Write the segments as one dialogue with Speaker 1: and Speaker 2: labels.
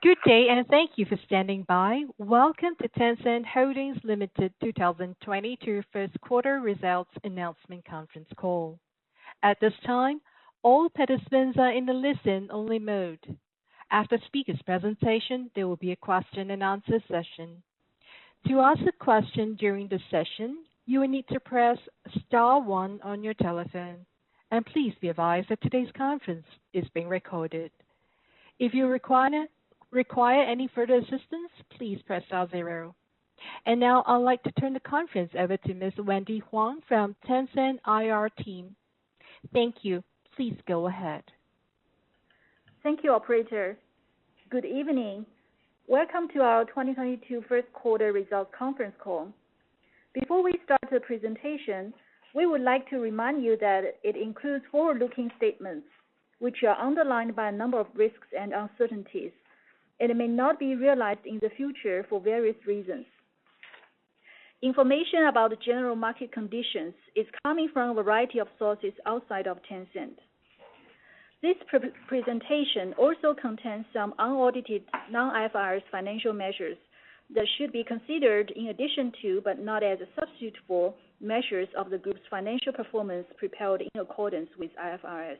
Speaker 1: Good day, and thank you for standing by. Welcome to Tencent Holdings Limited 2022 first quarter results announcement conference call. At this time, all participants are in the listen-only mode. After speaker's presentation, there will be a question and answer session. To ask a question during the session, you will need to press star one on your telephone. Please be advised that today's conference is being recorded. If you require any further assistance, please press star zero. Now I'd like to turn the conference over to Ms. Wendy Huang from Tencent IR team. Thank you. Please go ahead.
Speaker 2: Thank you, operator. Good evening. Welcome to our 2022 first quarter results conference call. Before we start the presentation, we would like to remind you that it includes forward-looking statements, which are underlined by a number of risks and uncertainties, and it may not be realized in the future for various reasons. Information about the general market conditions is coming from a variety of sources outside of Tencent. This pre-presentation also contains some unaudited non-IFRS financial measures that should be considered in addition to, but not as a substitute for measures of the group's financial performance prepared in accordance with IFRS.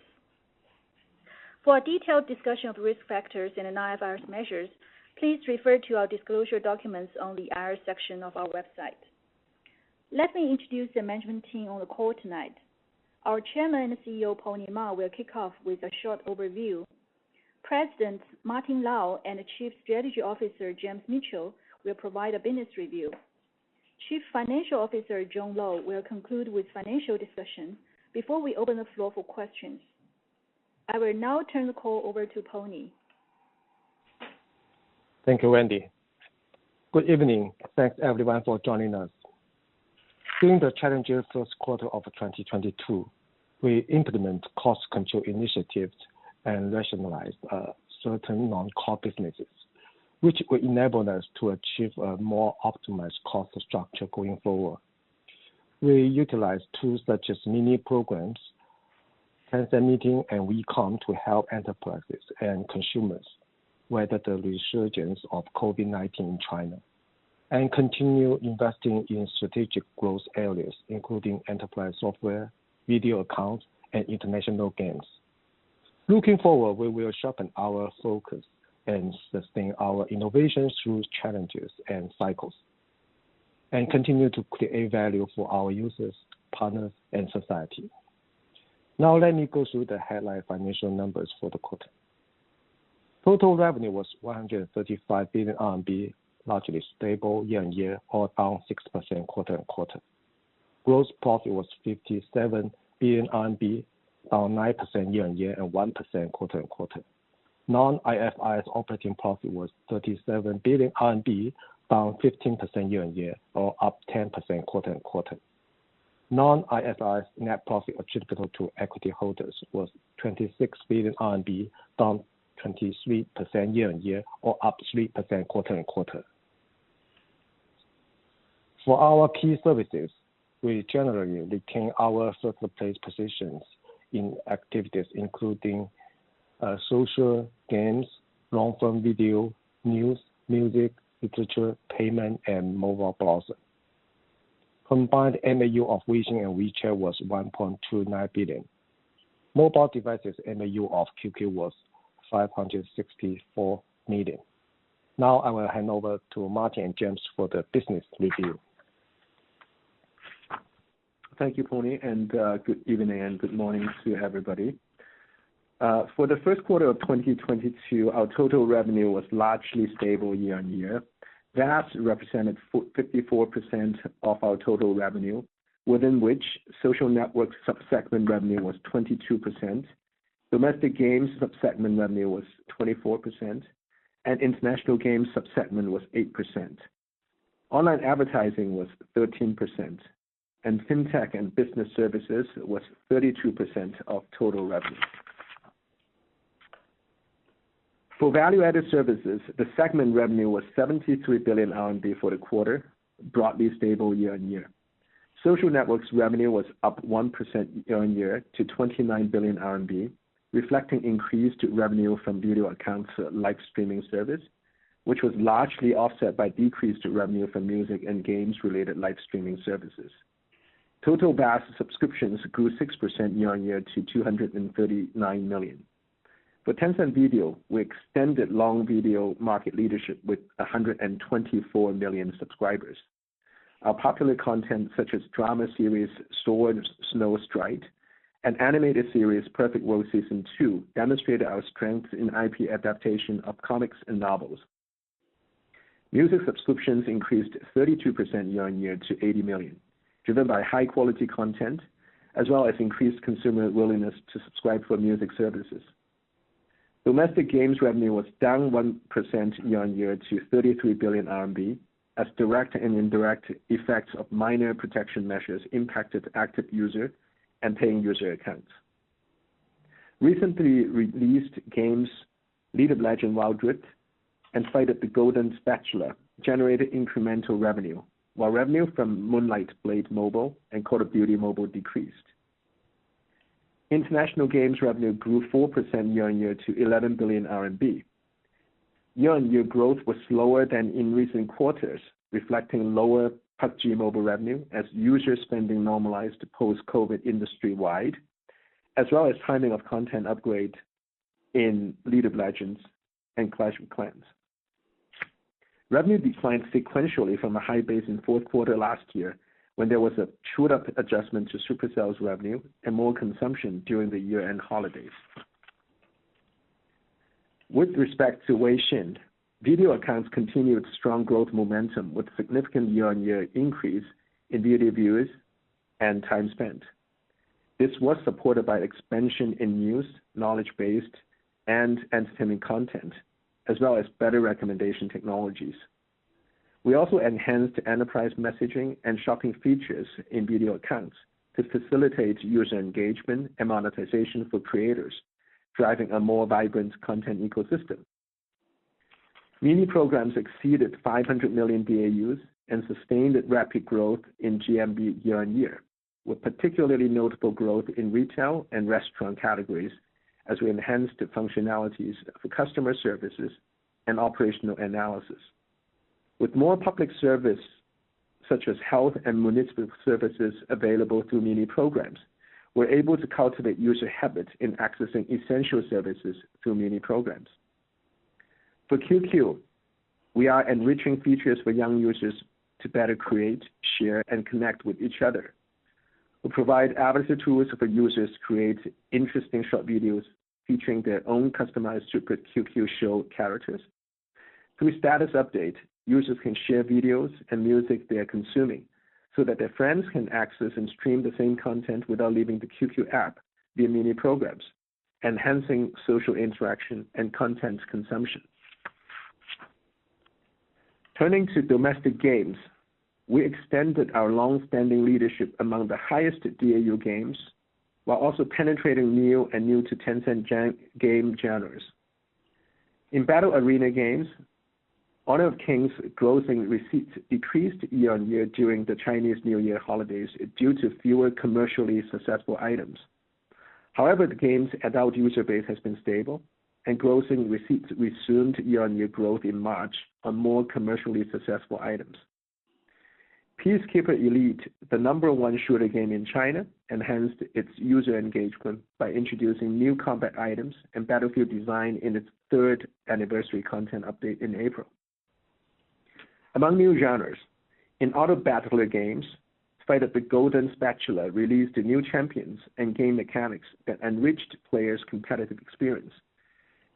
Speaker 2: For a detailed discussion of risk factors and IFRS measures, please refer to our disclosure documents on the IR section of our website. Let me introduce the management team on the call tonight. Our chairman and CEO, Pony Ma, will kick off with a short overview. President Martin Lau and Chief Strategy Officer James Mitchell will provide a business review. Chief Financial Officer John Lo will conclude with financial discussion before we open the floor for questions. I will now turn the call over to Pony.
Speaker 3: Thank you, Wendy. Good evening. Thanks everyone for joining us. During the challenging first quarter of 2022, we implement cost control initiatives and rationalize certain non-core businesses, which will enable us to achieve a more optimized cost structure going forward. We utilize tools such as mini programs, Tencent Meeting, and WeCom to help enterprises and consumers weather the resurgence of COVID-19 in China, and continue investing in strategic growth areas, including enterprise software, Video Accounts, and international games. Looking forward, we will sharpen our focus and sustain our innovations through challenges and cycles, and continue to create value for our users, partners, and society. Now let me go through the headline financial numbers for the quarter. Total revenue was 135 billion RMB, largely stable year-on-year, or down 6% quarter-on-quarter. Gross profit was 57 billion RMB, down 9% year-on-year, and 1% quarter-on-quarter. Non-IFRS operating profit was 37 billion RMB, down 15% year-on-year, or up 10% quarter-on-quarter. Non-IFRS net profit attributable to equity holders was 26 billion RMB, down 23% year-on-year, or up 3% quarter-on-quarter. For our key services, we generally retain our certain place positions in activities including social games, long form video, news, music, literature, payment, and mobile browser. Combined MAU of Weixin and QQ was 1.29 billion. Mobile devices MAU of QQ was 564 million. Now I will hand over to Martin and James for the business review.
Speaker 4: Thank you, Pony, and good evening and good morning to everybody. For the first quarter of 2022, our total revenue was largely stable year-on-year. VAS represented 54% of our total revenue, within which social network sub-segment revenue was 22%, domestic games sub-segment revenue was 24%, and international games sub-segment was 8%. Online advertising was 13%, and fintech and business services was 32% of total revenue. For value-added services, the segment revenue was CNY 73 billion for the quarter, broadly stable year-on-year. Social networks revenue was up 1% year-on-year to 29 billion RMB, reflecting increased revenue from Video Accounts live streaming service, which was largely offset by decreased revenue from music and games related live streaming services. Total VAS subscriptions grew 6% year-on-year to 239 million. For Tencent Video, we extended long video market leadership with 124 million subscribers. Our popular content such as drama series Sword Snow Stride and animated series Perfect World Season two demonstrated our strength in IP adaptation of comics and novels. Music subscriptions increased 32% year-on-year to 80 million, driven by high quality content as well as increased consumer willingness to subscribe for music services. Domestic games revenue was down 1% year-on-year to 33 billion RMB as direct and indirect effects of minor protection measures impacted active user and paying user accounts. Recently released games, League of Legends: Wild Rift and Battle of the Golden Spatula, generated incremental revenue, while revenue from Moonlight Blade Mobile and Call of Duty: Mobile decreased. International games revenue grew 4% year-on-year to 11 billion RMB. Year-on-year growth was slower than in recent quarters, reflecting lower PUBG MOBILE revenue as user spending normalized to post-COVID industry-wide, as well as timing of content upgrade in League of Legends and Clash of Clans. Revenue declined sequentially from a high base in fourth quarter last year, when there was a trued-up adjustment to Supercell's revenue and more consumption during the year-end holidays. With respect to Weixin, Video Accounts continued strong growth momentum, with significant year-on-year increase in daily viewers and time spent. This was supported by expansion in news, knowledge-based, and entertaining content, as well as better recommendation technologies. We also enhanced enterprise messaging and shopping features in Video Accounts to facilitate user engagement and monetization for creators, driving a more vibrant content ecosystem. Mini programs exceeded 500 million DAUs and sustained rapid growth in GMV year-on-year, with particularly notable growth in retail and restaurant categories as we enhanced the functionalities for customer services and operational analysis. With more public service such as health and municipal services available through mini programs, we're able to cultivate user habits in accessing essential services through mini programs. For QQ, we are enriching features for young users to better create, share, and connect with each other. We provide avatar tools for users to create interesting short videos featuring their own customized Super QQ Show characters. Through status update, users can share videos and music they are consuming so that their friends can access and stream the same content without leaving the QQ app via mini programs, enhancing social interaction and content consumption. Turning to domestic games, we extended our long-standing leadership among the highest DAU games while also penetrating new and new-to-Tencent Gen Z game genres. In battle arena games, Honor of Kings grossing receipts decreased year-on-year during the Chinese New Year holidays due to fewer commercially successful items. However, the game's adult user base has been stable and grossing receipts resumed year-on-year growth in March on more commercially successful items. Peacekeeper Elite, the number one shooter game in China, enhanced its user engagement by introducing new combat items and battlefield design in its third anniversary content update in April. Among new genres, in auto battler games, Battle of the Golden Spatula released new champions and game mechanics that enriched players' competitive experience.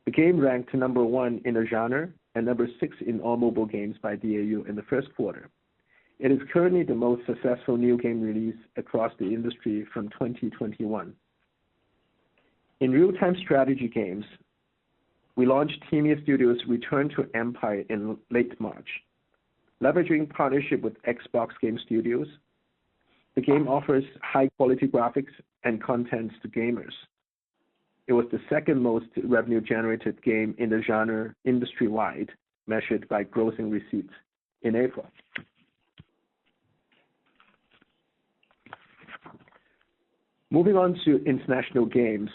Speaker 4: The game ranked number one in the genre and number six in all mobile games by DAU in the first quarter. It is currently the most successful new game release across the industry from 2021. In real-time strategy games, we launched TiMi Studio Group's Return to Empire in late March. Leveraging partnership with Xbox Game Studios, the game offers high-quality graphics and content to gamers. It was the second most revenue-generated game in the genre industry-wide, measured by grossing receipts in April. Moving on to international games.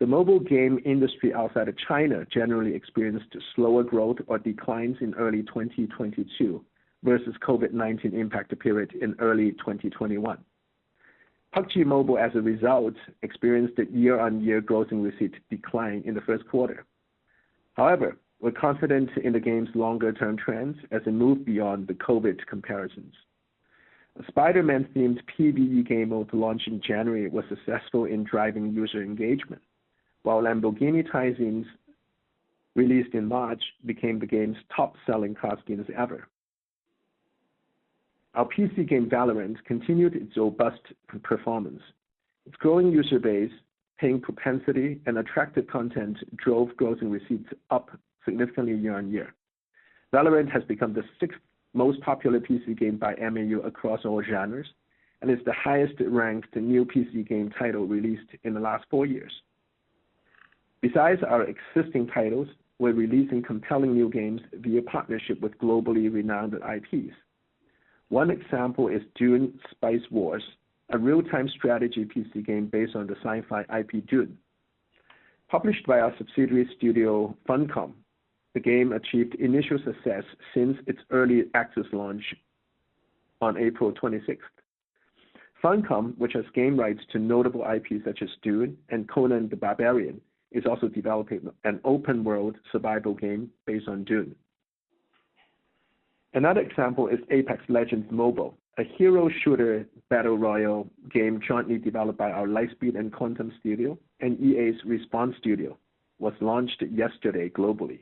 Speaker 4: The mobile game industry outside of China generally experienced slower growth or declines in early 2022 versus COVID-19 impacted period in early 2021. PUBG MOBILE, as a result, experienced a year-on-year grossing receipt decline in the first quarter. However, we're confident in the game's longer-term trends as it moved beyond the COVID comparisons. A Spider-Man themed PUBG game mode launch in January was successful in driving user engagement, while Lamborghini tie-ins released in March became the game's top-selling crossover skins ever. Our PC game, Valorant, continued its robust performance. Its growing user base, paying propensity, and attractive content drove gross receipts up significantly year-on-year. Valorant has become the sixth most popular PC game by MAU across all genres, and is the highest-ranked new PC game title released in the last four years. Besides our existing titles, we're releasing compelling new games via partnership with globally renowned IPs. One example is Dune: Spice Wars, a real-time strategy PC game based on the sci-fi IP Dune. Published by our subsidiary studio, Funcom, the game achieved initial success since its early access launch on April twenty-sixth. Funcom, which has game rights to notable IPs such as Dune and Conan the Barbarian, is also developing an open-world survival game based on Dune. Another example is Apex Legends Mobile, a hero shooter battle royale game jointly developed by our LightSpeed & Quantum Studio and EA's Respawn Entertainment, was launched yesterday globally.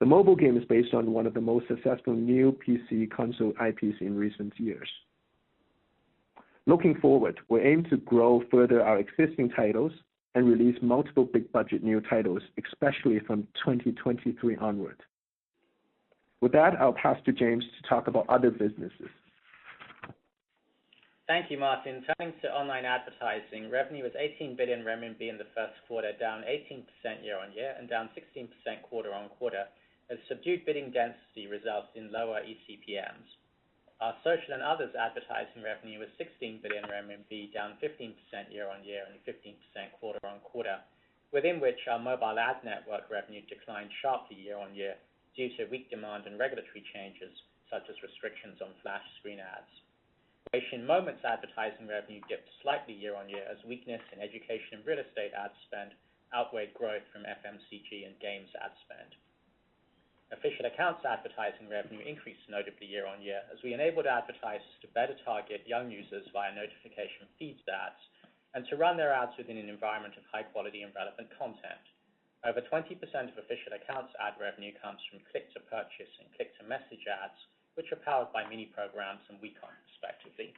Speaker 4: The mobile game is based on one of the most successful new PC console IPs in recent years. Looking forward, we aim to grow further our existing titles and release multiple big budget new titles, especially from 2023 onwards. With that, I'll pass to James to talk about other businesses.
Speaker 5: Thank you, Martin. Turning to online advertising, revenue was 18 billion RMB in the first quarter, down 18% year-on-year and down 16% quarter-on-quarter, as subdued bidding density results in lower eCPMs. Our social and others advertising revenue was 16 billion RMB, down 15% year-on-year and 15% quarter-on-quarter, within which our mobile ad network revenue declined sharply year-on-year due to weak demand and regulatory changes such as restrictions on flash screen ads. Weixin Moments advertising revenue dipped slightly year-on-year as weakness in education and real estate ad spend outweighed growth from FMCG and games ad spend. Official Accounts advertising revenue increased notably year-on-year as we enabled advertisers to better target young users via notification feeds ads, and to run their ads within an environment of high quality and relevant content. Over 20% of official accounts ad revenue comes from click-to-purchase and click-to-message ads, which are powered by mini programs and WeChat, respectively.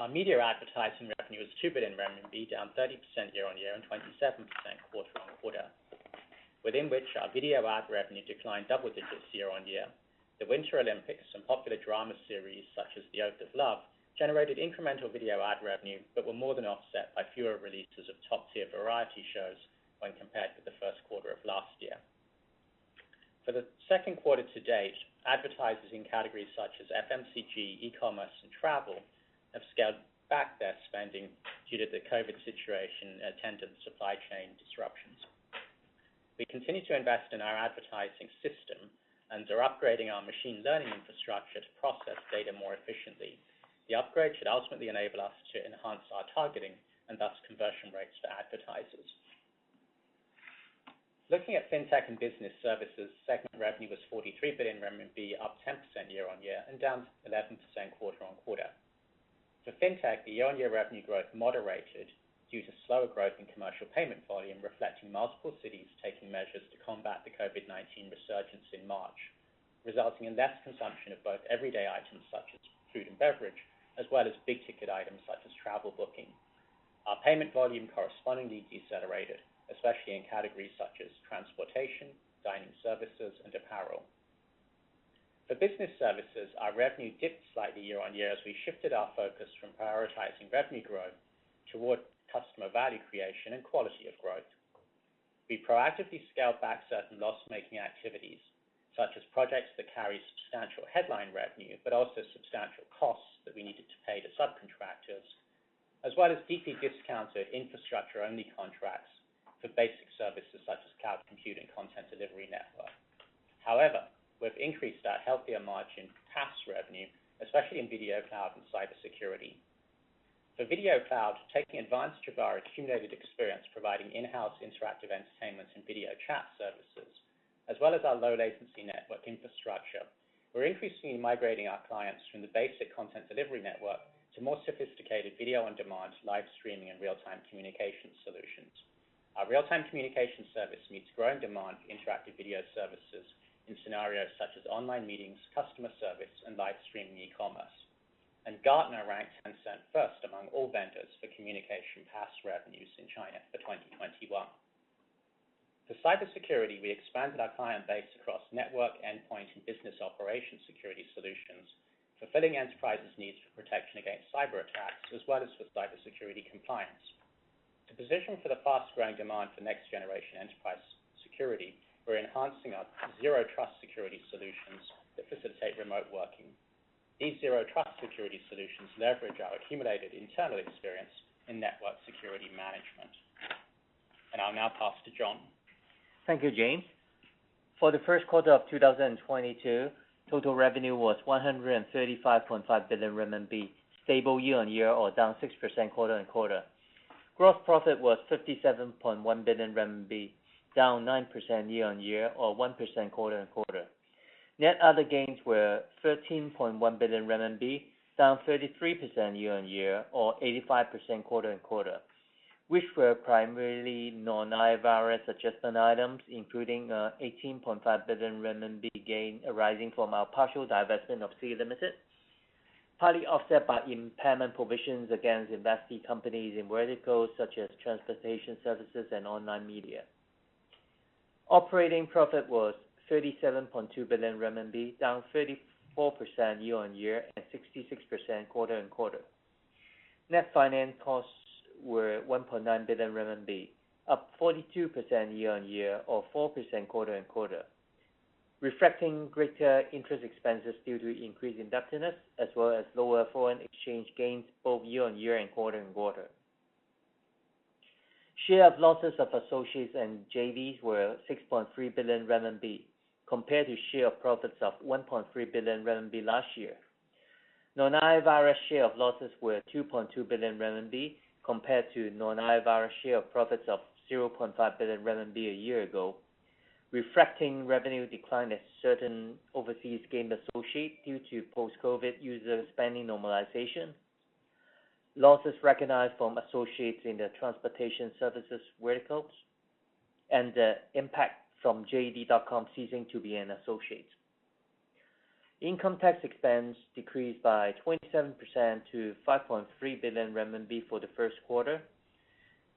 Speaker 5: Our media advertising revenue is 2 billion RMB, down 30% year-on-year and 27% quarter-on-quarter, within which our video ad revenue declined double digits year-on-year. The Winter Olympics and popular drama series such as The Oath of Love generated incremental video ad revenue, but were more than offset by fewer releases of top-tier variety shows when compared to the first quarter of last year. For the second quarter to date, advertisers in categories such as FMCG, e-commerce, and travel have scaled back their spending due to the COVID situation and attendant supply chain disruptions. We continue to invest in our advertising system and are upgrading our machine learning infrastructure to process data more efficiently. The upgrade should ultimately enable us to enhance our targeting and thus conversion rates for advertisers. Looking at Fintech and business services, segment revenue was 43 billion renminbi, up 10% year-on-year and down 11% quarter-on-quarter. For Fintech, the year-on-year revenue growth moderated due to slower growth in commercial payment volume, reflecting multiple cities taking measures to combat the COVID-19 resurgence in March, resulting in less consumption of both everyday items such as food and beverage, as well as big-ticket items such as travel booking. Our payment volume correspondingly decelerated, especially in categories such as transportation, dining services, and apparel. For business services, our revenue dipped slightly year-on-year as we shifted our focus from prioritizing revenue growth toward customer value creation and quality of growth. We proactively scaled back certain loss-making activities, such as projects that carry substantial headline revenue, but also substantial costs that we needed to pay to subcontractors, as well as deeply discounted infrastructure-only contracts for basic services such as cloud computing content delivery network. However, we've increased our healthier margin PaaS revenue, especially in video cloud and cybersecurity. For video cloud, taking advantage of our accumulated experience providing in-house interactive entertainment and video chat services, as well as our low latency network infrastructure, we're increasingly migrating our clients from the basic content delivery network to more sophisticated video on-demand, live streaming, and real-time communication solutions. Our real-time communication service meets growing demand for interactive video services in scenarios such as online meetings, customer service, and live streaming e-commerce. Gartner ranked Tencent first among all vendors for communication PaaS revenues in China for 2021. For cybersecurity, we expanded our client base across network endpoint and business operation security solutions, fulfilling enterprises' needs for protection against cyberattacks, as well as for cybersecurity compliance. To position for the fast-growing demand for next generation enterprise security, we're enhancing our zero trust security solutions that facilitate remote working. These zero trust security solutions leverage our accumulated internal experience in network security management. I'll now pass to John Lo.
Speaker 6: Thank you, James. For the first quarter of 2022, total revenue was 135.5 billion RMB, stable year-on-year or down 6% quarter-on-quarter. Gross profit was 57.1 billion RMB, down 9% year-on-year or 1% quarter-on-quarter. Net other gains were 13.1 billion RMB, down 33% year-on-year or 85% quarter-on-quarter, which were primarily non-IFRS adjustment items, including 18.5 billion renminbi gain arising from our partial divestment of Sea Limited, partly offset by impairment provisions against investee companies in verticals such as transportation services and online media. Operating profit was 37.2 billion renminbi, down 34% year-on-year and 66% quarter-on-quarter. Net finance costs were 1.9 billion RMB, up 42% year-on-year or 4% quarter-on-quarter, reflecting greater interest expenses due to increased indebtedness as well as lower foreign exchange gains both year-on-year and quarter-on-quarter. Share of losses of associates and JVs were 6.3 billion RMB compared to share of profits of 1.3 billion RMB last year. Non-IFRS share of losses were 2.2 billion RMB compared to non-IFRS share of profits of 0.5 billion RMB a year ago, reflecting revenue decline at certain overseas game associates due to post-COVID user spending normalization, losses recognized from associates in the transportation services verticals, and the impact from JD.com ceasing to be an associate. Income tax expense decreased by 27% to 5.3 billion renminbi for the first quarter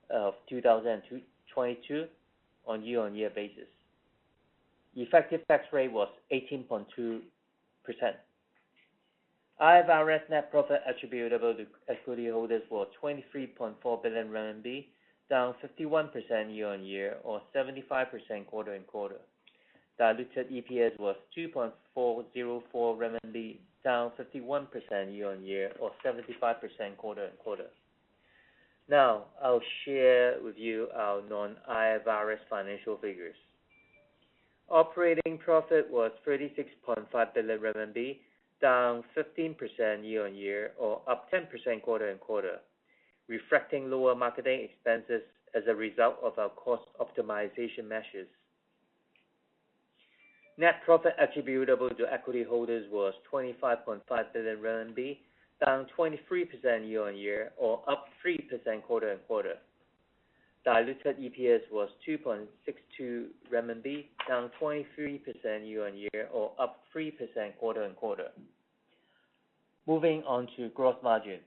Speaker 6: of 2022 on year-on-year basis. The effective tax rate was 18.2%. Our net profit attributable to equity holders was 23.4 billion RMB, down 51% year-on-year or 75% quarter-on-quarter. Diluted EPS was 2.404, down 51% year-on-year or 75% quarter-on-quarter. Now, I'll share with you our non-IFRS financial figures. Operating profit was 36.5 billion RMB, down 15% year-on-year or up 10% quarter-on-quarter, reflecting lower marketing expenses as a result of our cost optimization measures. Net profit attributable to equity holders was 25.5 billion RMB, down 23% year-on-year or up 3% quarter-on-quarter. Diluted EPS was CNY 2.62, down 23% year-on-year or up 3% quarter-on-quarter. Moving on to gross margin.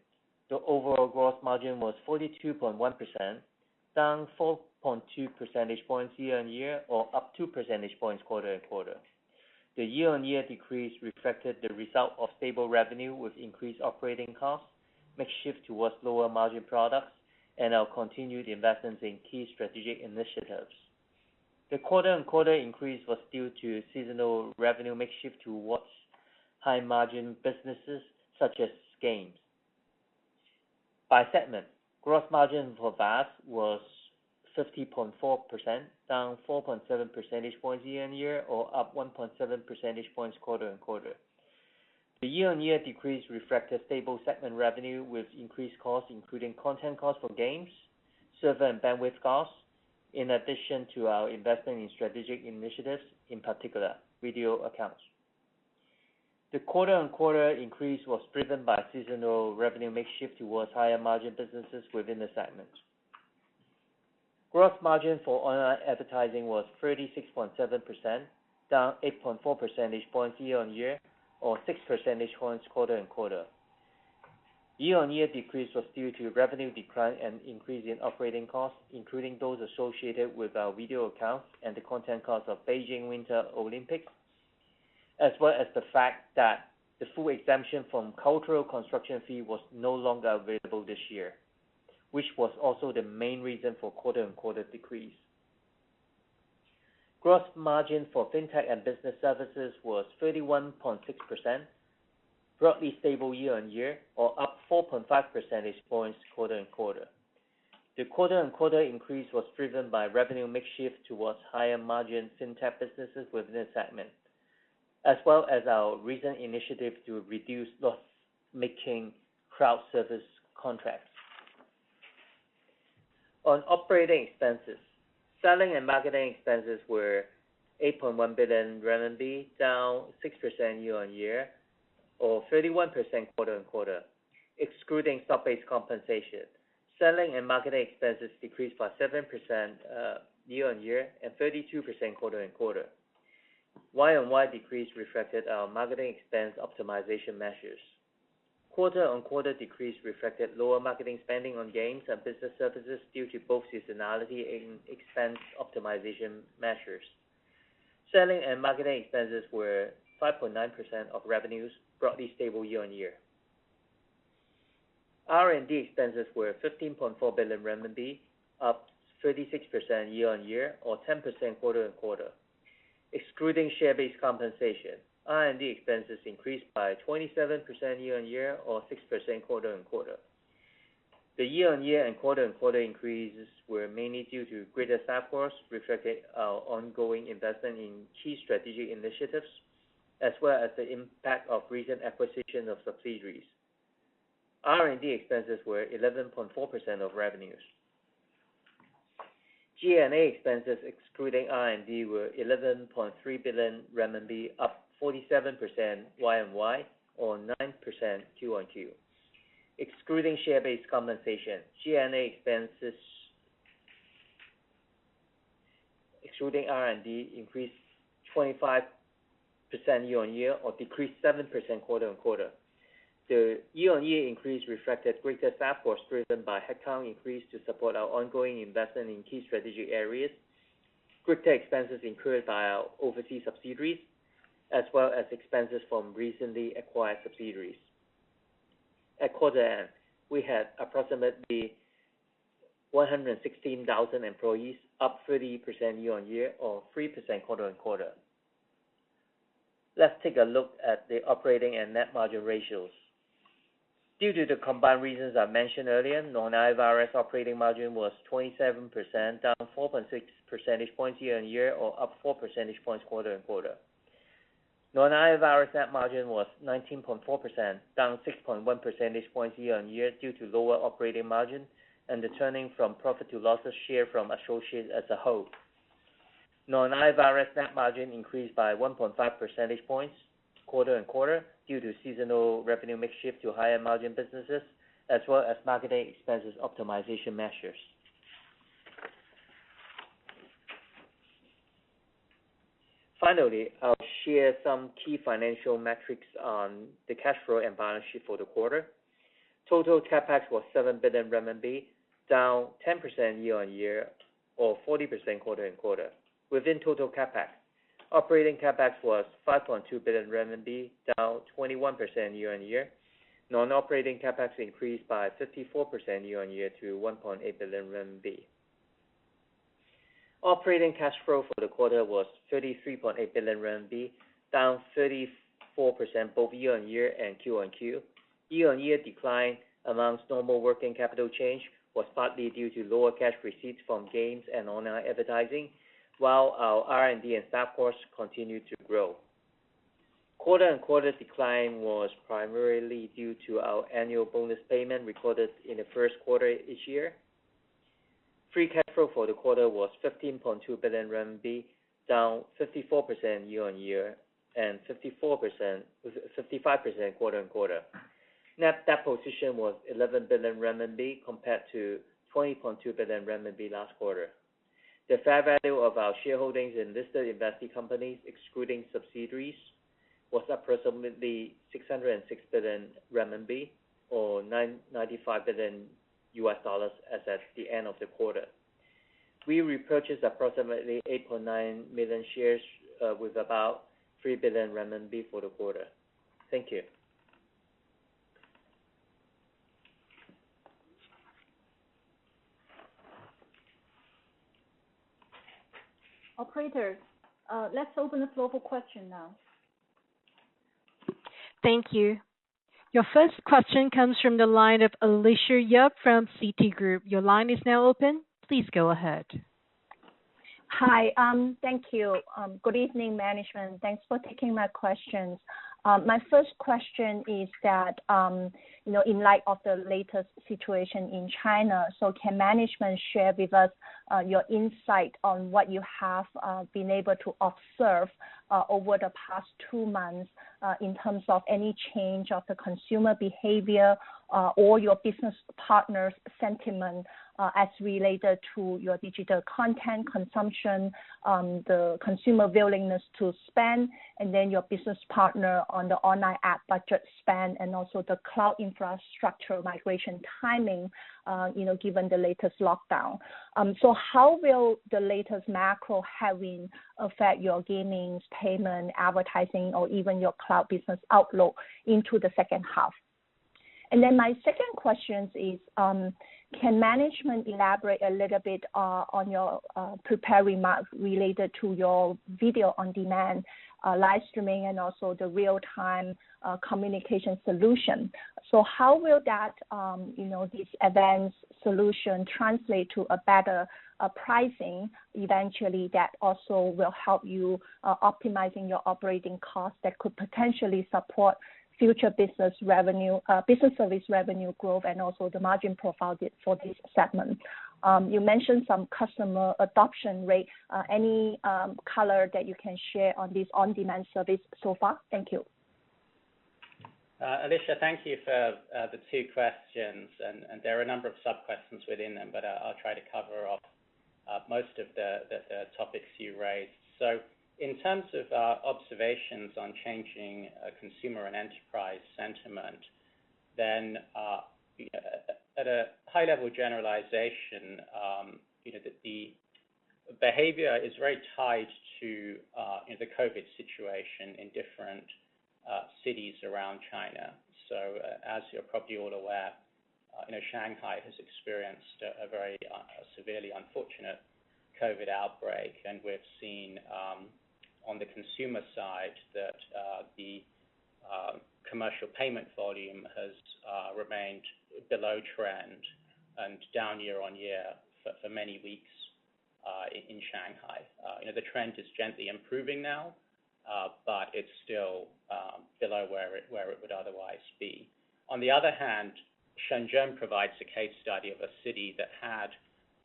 Speaker 6: The overall gross margin was 42.1%, down 4.2 percentage points year-on-year or up two percentage points quarter-on-quarter. The year-on-year decrease reflected the result of stable revenue with increased operating costs, mix shift towards lower margin products and our continued investments in key strategic initiatives. The quarter-on-quarter increase was due to seasonal revenue mix shift towards high margin businesses such as games. By segment, gross margin for VAS was 50.4%, down 4.7 percentage points year-on-year or up 1.7 percentage points quarter-on-quarter. The year-on-year decrease reflected stable segment revenue with increased costs, including content costs for games, server and bandwidth costs, in addition to our investment in strategic initiatives, in particular Video Accounts. The quarter-on-quarter increase was driven by seasonal revenue mix shift towards higher margin businesses within the segment. Gross margin for online advertising was 36.7%, down 8.4 percentage points year-on-year or six percentage points quarter-on-quarter. Year-on-year decrease was due to revenue decline and increase in operating costs, including those associated with our Video Accounts and the content costs of Beijing Winter Olympics, as well as the fact that the full exemption from cultural construction fee was no longer available this year, which was also the main reason for quarter-on-quarter decrease. Gross margin for Fintech and business services was 31.6%, roughly stable year-on-year or up 4.5 percentage points quarter-on-quarter. The quarter-on-quarter increase was driven by revenue mix shift towards higher margin Fintech businesses within the segment, as well as our recent initiative to reduce loss-making cloud service contracts. On operating expenses, selling and marketing expenses were 8.1 billion RMB, down 6% year-on-year or 31% quarter-on-quarter. Excluding stock-based compensation, selling and marketing expenses decreased by 7% year-on-year and 32% quarter-on-quarter. Year-on-year decrease reflected our marketing expense optimization measures. Quarter-on-quarter decrease reflected lower marketing spending on games and business services due to both seasonality and expense optimization measures. Selling and marketing expenses were 5.9% of revenues, broadly stable year-on-year. R&D expenses were 15.4 billion renminbi, up 36% year-on-year or 10% quarter-on-quarter. Excluding share-based compensation, R&D expenses increased by 27% year-on-year or 6% quarter-on-quarter. The year-on-year and quarter-on-quarter increases were mainly due to greater staff costs reflecting our ongoing investment in key strategic initiatives, as well as the impact of recent acquisition of subsidiaries. R&D expenses were 11.4% of revenues. G&A expenses excluding R&D were 11.3 billion RMB, up 47% year-on-year or 9% quarter-on-quarter. Excluding share-based compensation, G&A expenses excluding R&D increased 25% year-on-year or decreased 7% quarter-on-quarter. The year-on-year increase reflected greater staff costs driven by headcount increase to support our ongoing investment in key strategic areas, crypto expenses incurred by our overseas subsidiaries, as well as expenses from recently acquired subsidiaries. At quarter end, we had approximately 116,000 employees, up 30% year-on-year or 3% quarter-on-quarter. Let's take a look at the operating and net margin ratios. Due to the combined reasons I mentioned earlier, non-IFRS operating margin was 27%, down 4.6 percentage points year-on-year or up four percentage points quarter-on-quarter. Non-IFRS net margin was 19.4%, down 6.1 percentage points year-on-year due to lower operating margin and the turning from profit to losses share from associates as a whole. non-IFRS net margin increased by 1.5 percentage points quarter-on-quarter due to seasonal revenue mix shift to higher margin businesses as well as marketing expenses optimization measures. Finally, I'll share some key financial metrics on the cash flow and balance sheet for the quarter. Total CapEx was 7 billion RMB, down 10% year-on-year or 40% quarter-on-quarter. Within total CapEx, operating CapEx was 5.2 billion RMB, down 21% year-on-year. Non-operating CapEx increased by 54% year-on-year to 1.8 billion RMB. Operating cash flow for the quarter was 33.8 billion RMB, down 34% both year-on-year and Q-on-Q. Year-on-year decline among normal working capital change was partly due to lower cash receipts from games and online advertising, while our R&D and staff costs continued to grow. Quarter-on-quarter decline was primarily due to our annual bonus payment recorded in the first quarter each year. Free cash flow for the quarter was 15.2 billion RMB, down 54% year-on-year and 55% quarter-on-quarter. Net debt position was 11 billion RMB compared to 20.2 billion RMB last quarter.
Speaker 5: The fair value of our shareholdings in listed investee companies excluding subsidiaries was approximately 606 billion RMB or $95 billion as at the end of the quarter. We repurchased approximately 8.9 million shares with about 3 billion renminbi for the quarter. Thank you.
Speaker 2: Operator, let's open the floor for questions now.
Speaker 1: Thank you. Your first question comes from the line of Alicia Yap from Citigroup. Your line is now open. Please go ahead.
Speaker 7: Hi. Thank you. Good evening, management. Thanks for taking my questions. My first question is that, you know, in light of the latest situation in China, can management share with us your insight on what you have been able to observe over the past two months in terms of any change of the consumer behavior or your business partners' sentiment as related to your digital content consumption, the consumer willingness to spend, and then your business partners' online ad budget spend, and also the cloud infrastructure migration timing, you know, given the latest lockdown? How will the latest macro headwinds affect your gaming, payment, advertising, or even your cloud business outlook into the second half? My second question is, can management elaborate a little bit on your prepared remarks related to your video on-demand, live streaming, and also the real-time communication solution? So how will that, you know, these events solution translate to a better pricing eventually that also will help you optimizing your operating costs that could potentially support future business revenue, business service revenue growth and also the margin profile for this segment? You mentioned some customer adoption rate. Any color that you can share on this on-demand service so far? Thank you.
Speaker 5: Alicia, thank you for the two questions. There are a number of sub-questions within them, but I'll try to cover off most of the topics you raised. In terms of observations on changing consumer and enterprise sentiment, at a high level generalization, you know, the behavior is very tied to you know, the COVID situation in different cities around China. As you're probably all aware, you know, Shanghai has experienced a very severely unfortunate COVID outbreak. We've seen on the consumer side that the commercial payment volume has remained below trend and down year-on-year for many weeks in Shanghai. You know, the trend is gently improving now, but it's still below where it would otherwise be. On the other hand, Shenzhen provides a case study of a city that had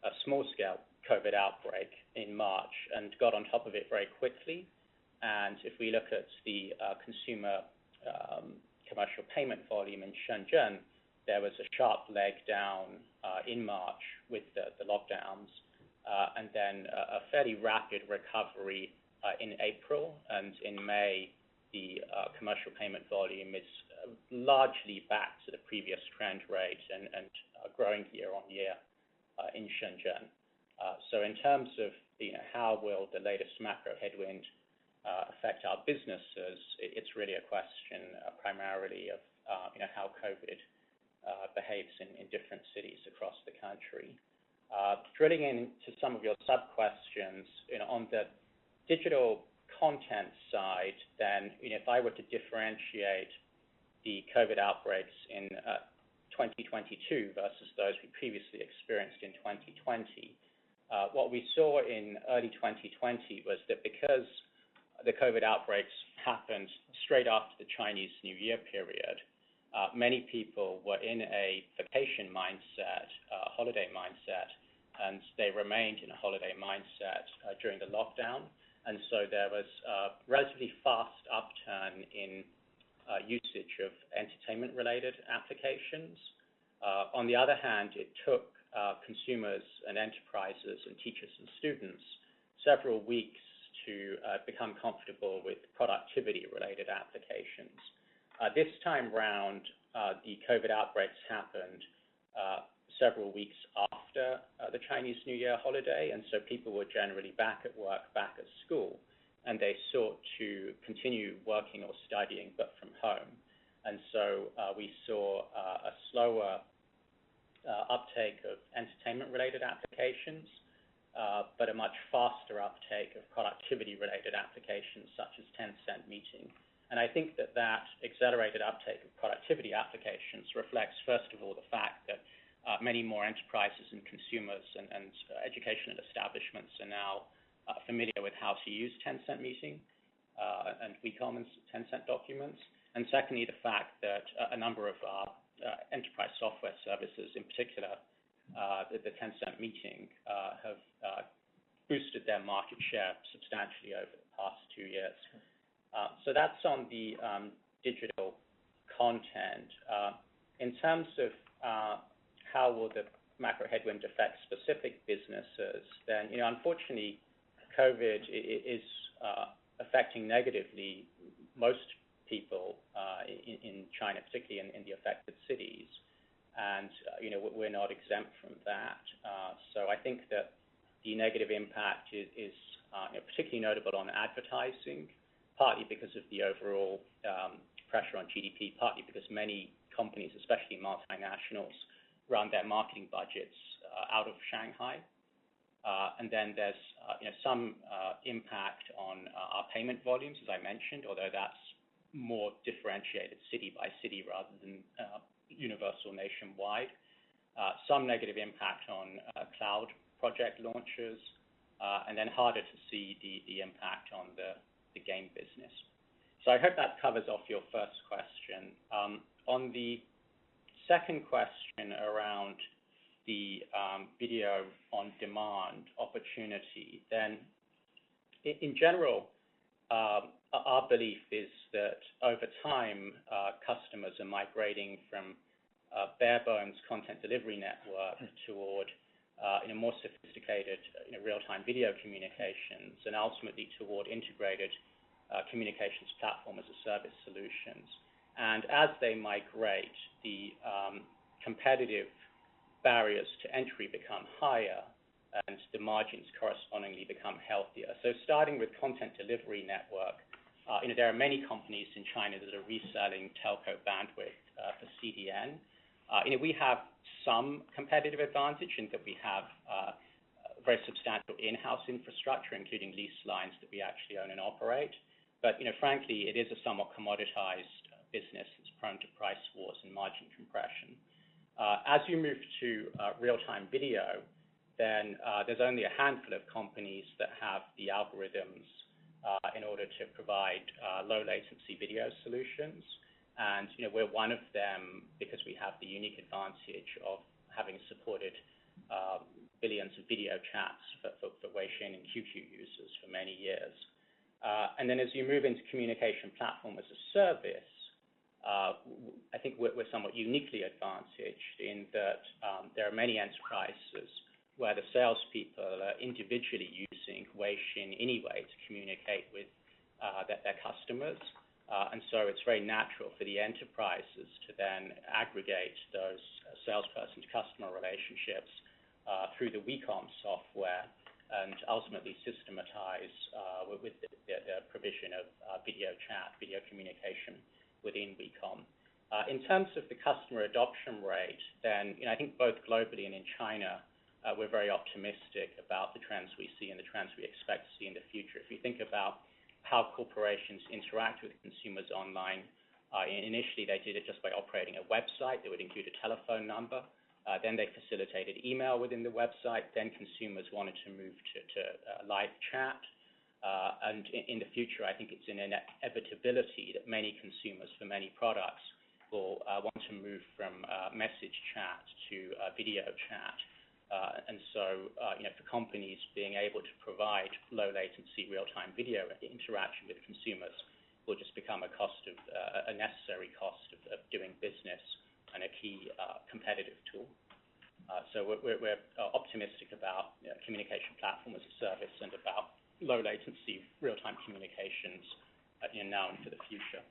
Speaker 5: a small scale COVID outbreak in March and got on top of it very quickly. If we look at the consumer commercial payment volume in Shenzhen, there was a sharp leg down in March with the lockdowns and then a fairly rapid recovery in April. In May, the commercial payment volume is largely back to the previous trend rate and growing year-on-year in Shenzhen. So in terms of, you know, how will the latest macro headwind affect our businesses, it's really a question primarily of, you know, how COVID behaves in different cities across the country. Drilling into some of your sub-questions, you know, on the digital content side, then, you know, if I were to differentiate the COVID outbreaks in 2022 versus those we previously experienced in 2020, what we saw in early 2020 was that because the COVID outbreaks happened straight after the Chinese New Year period, many people were in a vacation mindset, a holiday mindset, and they remained in a holiday mindset during the lockdown. There was a relatively fast upturn in usage of entertainment-related applications. On the other hand, it took consumers and enterprises and teachers and students several weeks to become comfortable with productivity-related applications. This time around, the COVID outbreaks happened several weeks after the Chinese New Year holiday. People were generally back at work, back at school, and they sought to continue working or studying, but from home. We saw a slower uptake of entertainment-related applications, but a much faster uptake of productivity-related applications, such as Tencent Meeting. I think that accelerated uptake of productivity applications reflects, first of all, the fact that many more enterprises and consumers and education establishments are now familiar with how to use Tencent Meeting, and WeCom and Tencent Docs. Secondly, the fact that a number of enterprise software services, in particular, the Tencent Meeting, have boosted their market share substantially over the past two years. That's on the digital content. In terms of how will the macro headwind affect specific businesses, you know, unfortunately, COVID is affecting negatively most people in China, particularly in the affected cities. You know, we're not exempt from that. I think that the negative impact is particularly notable on advertising, partly because of the overall pressure on GDP, partly because many companies, especially multinationals, run their marketing budgets out of Shanghai. Then there's you know, some impact on our payment volumes, as I mentioned, although that's more differentiated city by city rather than universal nationwide. Some negative impact on cloud project launches, and then harder to see the impact on the game business. I hope that covers off your first question. On the second question around the video on demand opportunity, in general, our belief is that over time, customers are migrating from bare bones content delivery network toward a more sophisticated, you know, real-time video communications and ultimately toward integrated communications platform as a service solutions. As they migrate, the competitive barriers to entry become higher, and the margins correspondingly become healthier. Starting with content delivery network, you know, there are many companies in China that are reselling telco bandwidth for CDN. You know, we have some competitive advantage in that we have very substantial in-house infrastructure, including lease lines that we actually own and operate. You know, frankly, it is a somewhat commoditized business. It's prone to price wars and margin compression. As you move to real-time video, then there's only a handful of companies that have the algorithms in order to provide low latency video solutions. You know, we're one of them because we have the unique advantage of having supported billions of video chats for Weixin and QQ users for many years. As you move into communication platform as a service, I think we're somewhat uniquely advantaged in that there are many enterprises where the salespeople are individually using Weixin anyway to communicate with their customers. It's very natural for the enterprises to then aggregate those salespersons' customer relationships through the WeCom software and ultimately systematize with the provision of video chat, video communication within WeCom. In terms of the customer adoption rate, you know, I think both globally and in China, we're very optimistic about the trends we see and the trends we expect to see in the future. If you think about how corporations interact with consumers online, initially, they did it just by operating a website that would include a telephone number. Then they facilitated email within the website, then consumers wanted to move to live chat. In the future, I think it's an inevitability that many consumers for many products will want to move from message chat to video chat. You know, for companies being able to provide low latency real-time video interaction with consumers will just become a necessary cost of doing business and a key competitive tool. We're optimistic about, you know, communication platform as a service and about low latency real-time communications, you know, and for the future.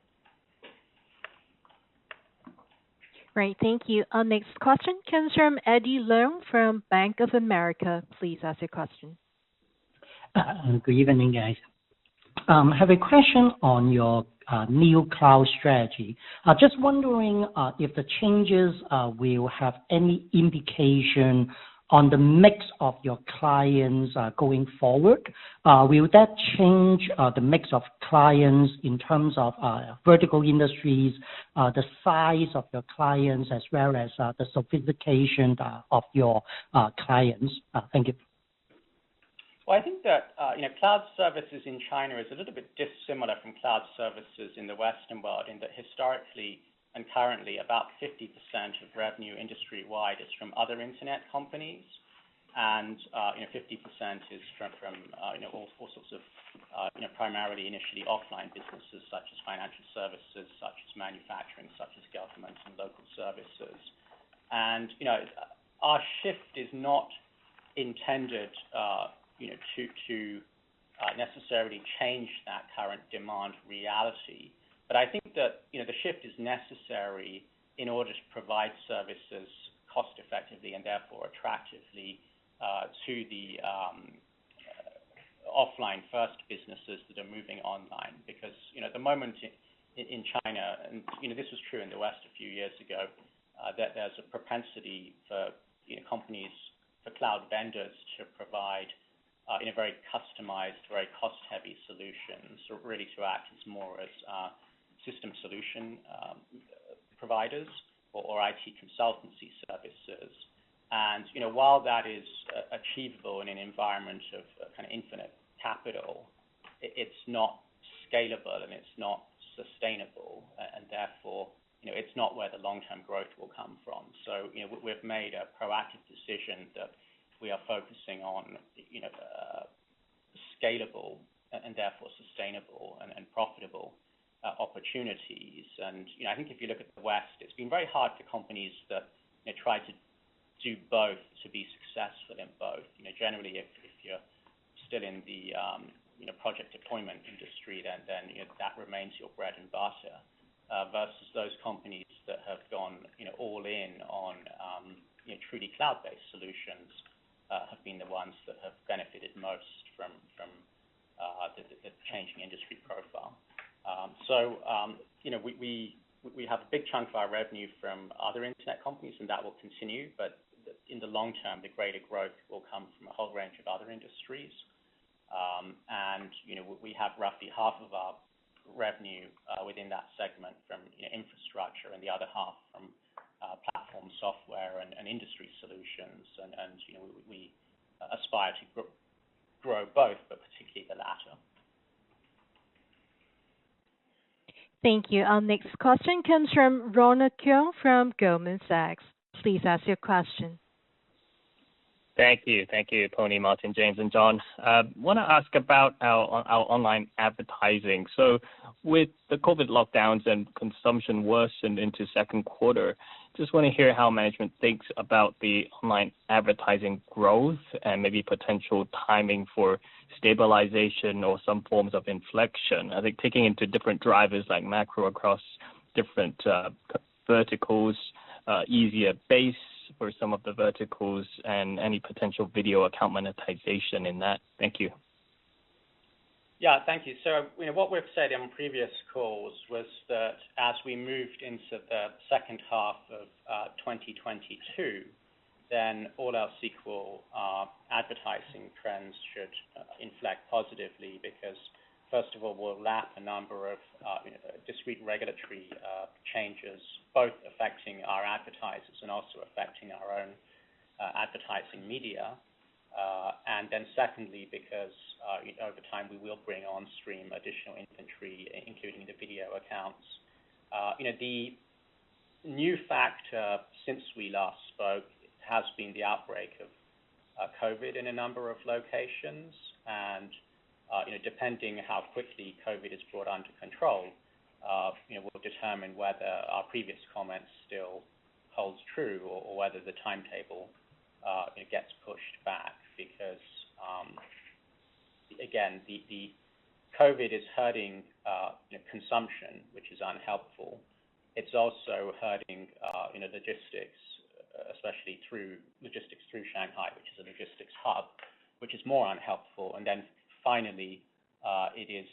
Speaker 1: Great. Thank you. Our next question comes from Eddie Leung from Bank of America. Please ask your question.
Speaker 8: Good evening, guys. I have a question on your new cloud strategy. Just wondering if the changes will have any indication on the mix of your clients going forward. Will that change the mix of clients in terms of vertical industries, the size of your clients, as well as the sophistication of your clients? Thank you.
Speaker 5: Well, I think that, you know, cloud services in China is a little bit dissimilar from cloud services in the Western world in that historically and currently, about 50% of revenue industry-wide is from other internet companies. You know, 50% is sourced from, you know, all sorts of, you know, primarily initially offline businesses such as financial services, such as manufacturing, such as governments and local services. You know, our shift is not intended, you know, to, necessarily change that current demand reality. I think that, you know, the shift is necessary in order to provide services cost effectively, and therefore attractively, to the offline first businesses that are moving online. Because, you know, at the moment in China, and, you know, this was true in the West a few years ago, that there's a propensity for, you know, companies, for cloud vendors to provide, in a very customized, very cost-heavy solutions, so really to act as more as, system solution, providers or IT consultancy services. You know, while that is achievable in an environment of kind of infinite capital, it's not scalable and it's not sustainable. Therefore, you know, it's not where the long-term growth will come from. You know, we've made a proactive decision that we are focusing on, you know, scalable and therefore sustainable and profitable, opportunities. You know, I think if you look at the West, it's been very hard for companies that, you know, try to do both to be successful in both. You know, generally, if you're still in the you know, project deployment industry, then you know, that remains your bread and butter. Versus those companies that have gone, you know, all in on you know, truly cloud-based solutions, have been the ones that have benefited most from the changing industry profile. You know, we have a big chunk of our revenue from other internet companies, and that will continue. In the long term, the greater growth will come from a whole range of other industries. You know, we have roughly half of our revenue within that segment from you know, infrastructure and the other half from platform software and industry solutions. You know, we aspire to grow both, but particularly the latter.
Speaker 1: Thank you. Our next question comes from Ronald Keung from Goldman Sachs. Please ask your question.
Speaker 9: Thank you. Thank you, Pony, Martin, James, and John. Want to ask about our online advertising. With the COVID lockdowns and consumption worsened into second quarter, just want to hear how management thinks about the online advertising growth and maybe potential timing for stabilization or some forms of inflection, I think, taking into different drivers like macro across different verticals, easier base for some of the verticals and any potential Video Accounts monetization in that. Thank you.
Speaker 5: Yeah. Thank you. You know, what we've said in previous calls was that as we moved into the second half of 2022, then all our sequential advertising trends should inflect positively. Because first of all, we'll lap a number of, you know, discrete regulatory changes, both affecting our advertisers and also affecting our own advertising media. And then secondly, because, you know, over time, we will bring on stream additional inventory, including the Video Accounts. You know, the new factor since we last spoke has been the outbreak of COVID in a number of locations. You know, depending how quickly COVID is brought under control, you know, will determine whether our previous comments still holds true or whether the timetable gets pushed back because, again, the COVID is hurting, you know, consumption, which is unhelpful. It's also hurting, you know, logistics, especially logistics through Shanghai, which is a logistics hub, which is more unhelpful. Finally, it is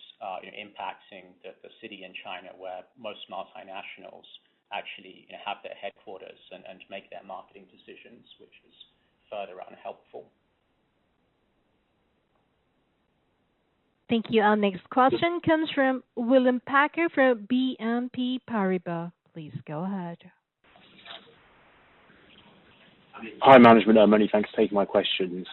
Speaker 5: impacting the city in China where most multinationals actually have their headquarters and make their marketing decisions, which is further unhelpful.
Speaker 1: Thank you. Our next question comes from William Packer from BNP Paribas. Please go ahead.
Speaker 10: Hi, management. Many thanks for taking my questions.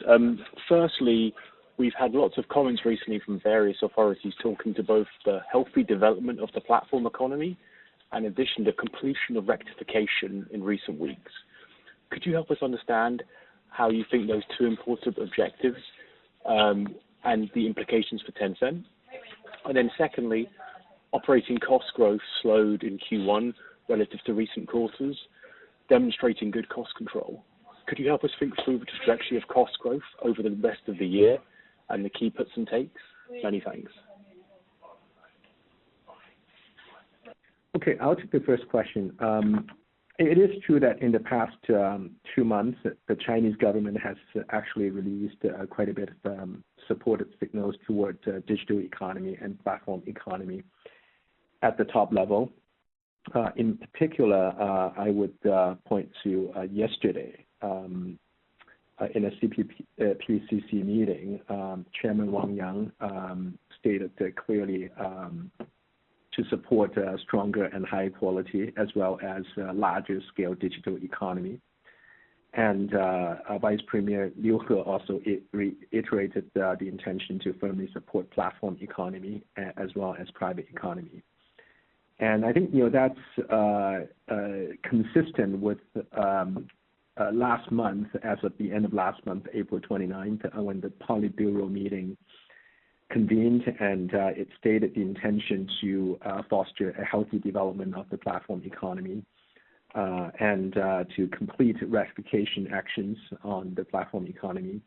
Speaker 10: Firstly, we've had lots of comments recently from various authorities talking to both the healthy development of the platform economy and, in addition, the completion of rectification in recent weeks. Could you help us understand how you think those two important objectives and the implications for Tencent? Secondly, operating cost growth slowed in Q1 relative to recent quarters, demonstrating good cost control. Could you help us think through the trajectory of cost growth over the rest of the year and the key puts and takes? Many thanks.
Speaker 4: Okay, I'll take the first question. It is true that in the past two months, the Chinese government has actually released quite a bit of supportive signals towards digital economy and platform economy at the top level. In particular, I would point to yesterday in a CPPCC meeting, Chairman Wang Yang stated that clearly to support a stronger and high quality as well as a larger scale digital economy. Our Vice Premier Liu He also reiterated the intention to firmly support platform economy as well as private economy. I think, you know, that's consistent with last month, as of the end of last month, April 29th, when the Politburo meeting convened, it stated the intention to foster a healthy development of the platform economy. To complete rectification actions on the platform economy,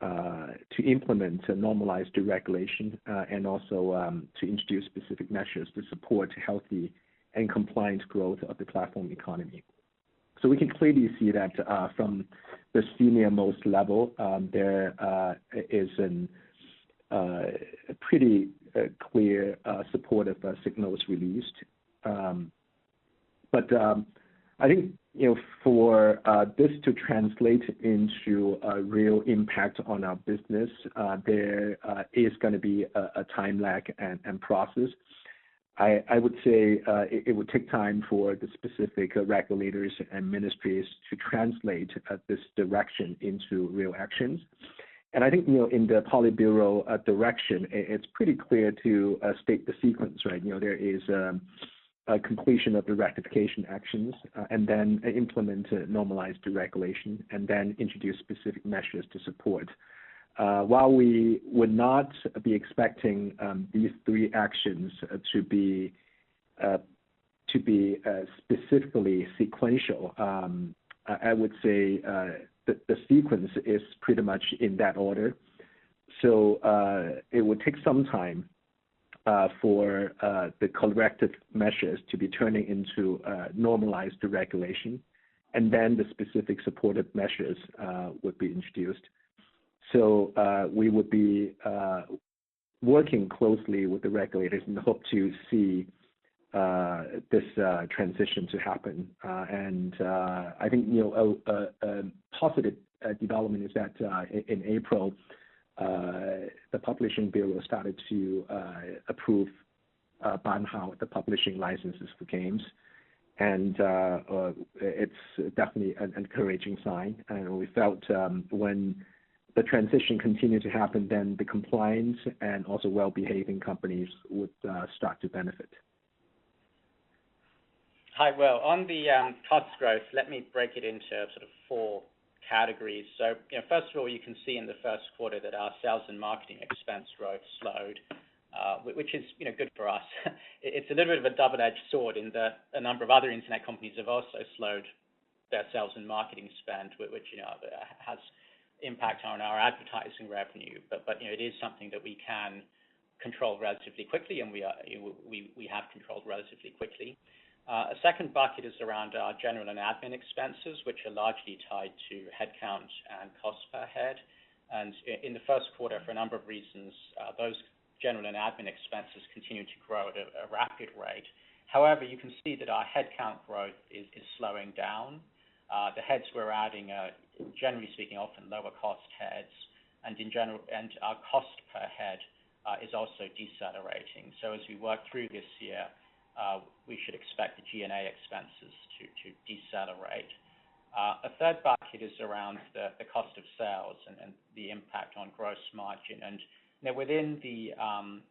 Speaker 4: to implement and normalize deregulation, and also to introduce specific measures to support healthy and compliant growth of the platform economy. We can clearly see that from the senior-most level, there is a pretty clear supportive signals released. I think, you know, for this to translate into a real impact on our business, there is gonna be a time lag and process. I would say it would take time for the specific regulators and ministries to translate this direction into real actions. I think, you know, in the Politburo direction, it's pretty clear to state the sequence, right? You know, there is a completion of the rectification actions, and then implement normalized deregulation, and then introduce specific measures to support. While we would not be expecting these three actions to be specifically sequential, I would say the sequence is pretty much in that order. It would take some time for the corrective measures to be turning into normalized deregulation, and then the specific supportive measures would be introduced. We would be working closely with the regulators in the hope to see this transition to happen. I think, you know, a positive development is that in April the publishing bureau started to approve ban hao the publishing licenses for games. It's definitely an encouraging sign. We felt when the transition continued to happen, then the compliance and also well-behaving companies would start to benefit.
Speaker 5: Hi. Well, on the cost growth, let me break it into sort of four categories. You know, first of all, you can see in the first quarter that our sales and marketing expense growth slowed, which is, you know, good for us. It's a little bit of a double-edged sword in that a number of other internet companies have also slowed their sales and marketing spend, which, you know, has impact on our advertising revenue. But, you know, it is something that we can control relatively quickly and we have controlled relatively quickly. A second bucket is around our general and administrative expenses, which are largely tied to headcount and cost per head. In the first quarter, for a number of reasons, those general and administrative expenses continued to grow at a rapid rate. However, you can see that our headcount growth is slowing down. The heads we're adding are, generally speaking, often lower cost heads, and in general our cost per head is also decelerating. As we work through this year, we should expect the G&A expenses to decelerate. A third bucket is around the cost of sales and the impact on gross margin. You know, within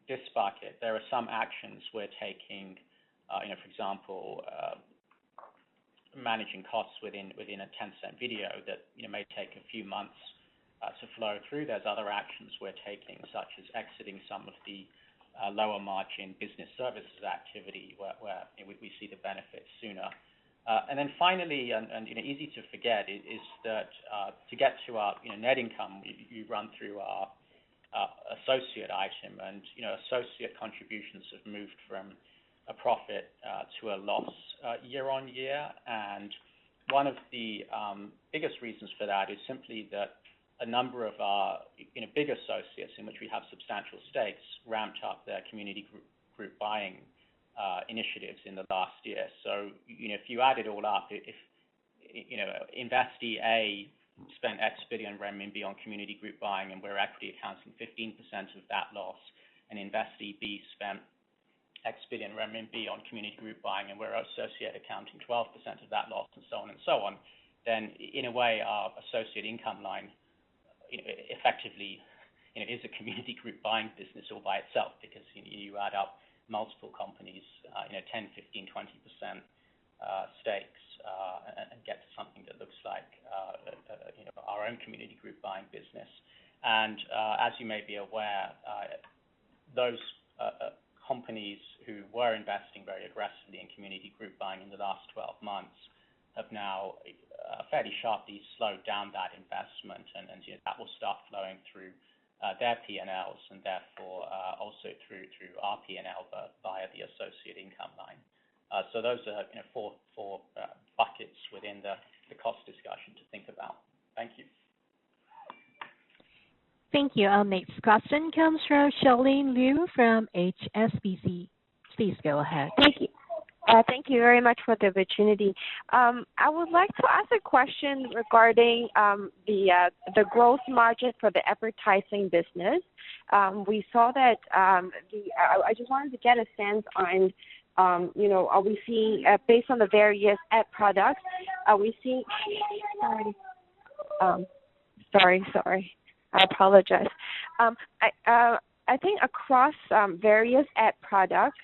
Speaker 5: this bucket, there are some actions we're taking, you know, for example, managing costs within a Tencent Video that, you know, may take a few months to flow through. There's other actions we're taking, such as exiting some of the lower margin business services activity where, you know, we see the benefits sooner. Finally, you know, easy to forget is that to get to our, you know, net income, you run through our associate item. You know, associate contributions have moved from a profit to a loss year-over-year. One of the biggest reasons for that is simply that a number of our, you know, big associates in which we have substantial stakes ramped up their community group buying initiatives in the last year. You know, if you add it all up, you know, investee A spent CNY X billion on community group buying, and we're actually accounting 15% of that loss, and investee B spent CNY X billion on community group buying, and we're associate accounting 12% of that loss, and so on and so on, then in a way, our associate income line, effectively, you know, is a community group buying business all by itself. Because, you know, you add up multiple companies, you know, 10, 15, 20% stakes, and get something that looks like, you know, our own community group buying business. As you may be aware, those companies who were investing very aggressively in community group buying in the last 12 months have now fairly sharply slowed down that investment. you know, that will start flowing through their P&Ls, and therefore, also through our P&L, but via the associate income line. those are, you know, four buckets within the cost discussion to think about. Thank you.
Speaker 1: Thank you. Our next question comes from Charlene Liu from HSBC. Please go ahead.
Speaker 11: Thank you. Thank you very much for the opportunity. I would like to ask a question regarding the growth margin for the advertising business. We saw that. Sorry. I apologize. I think across various ad products,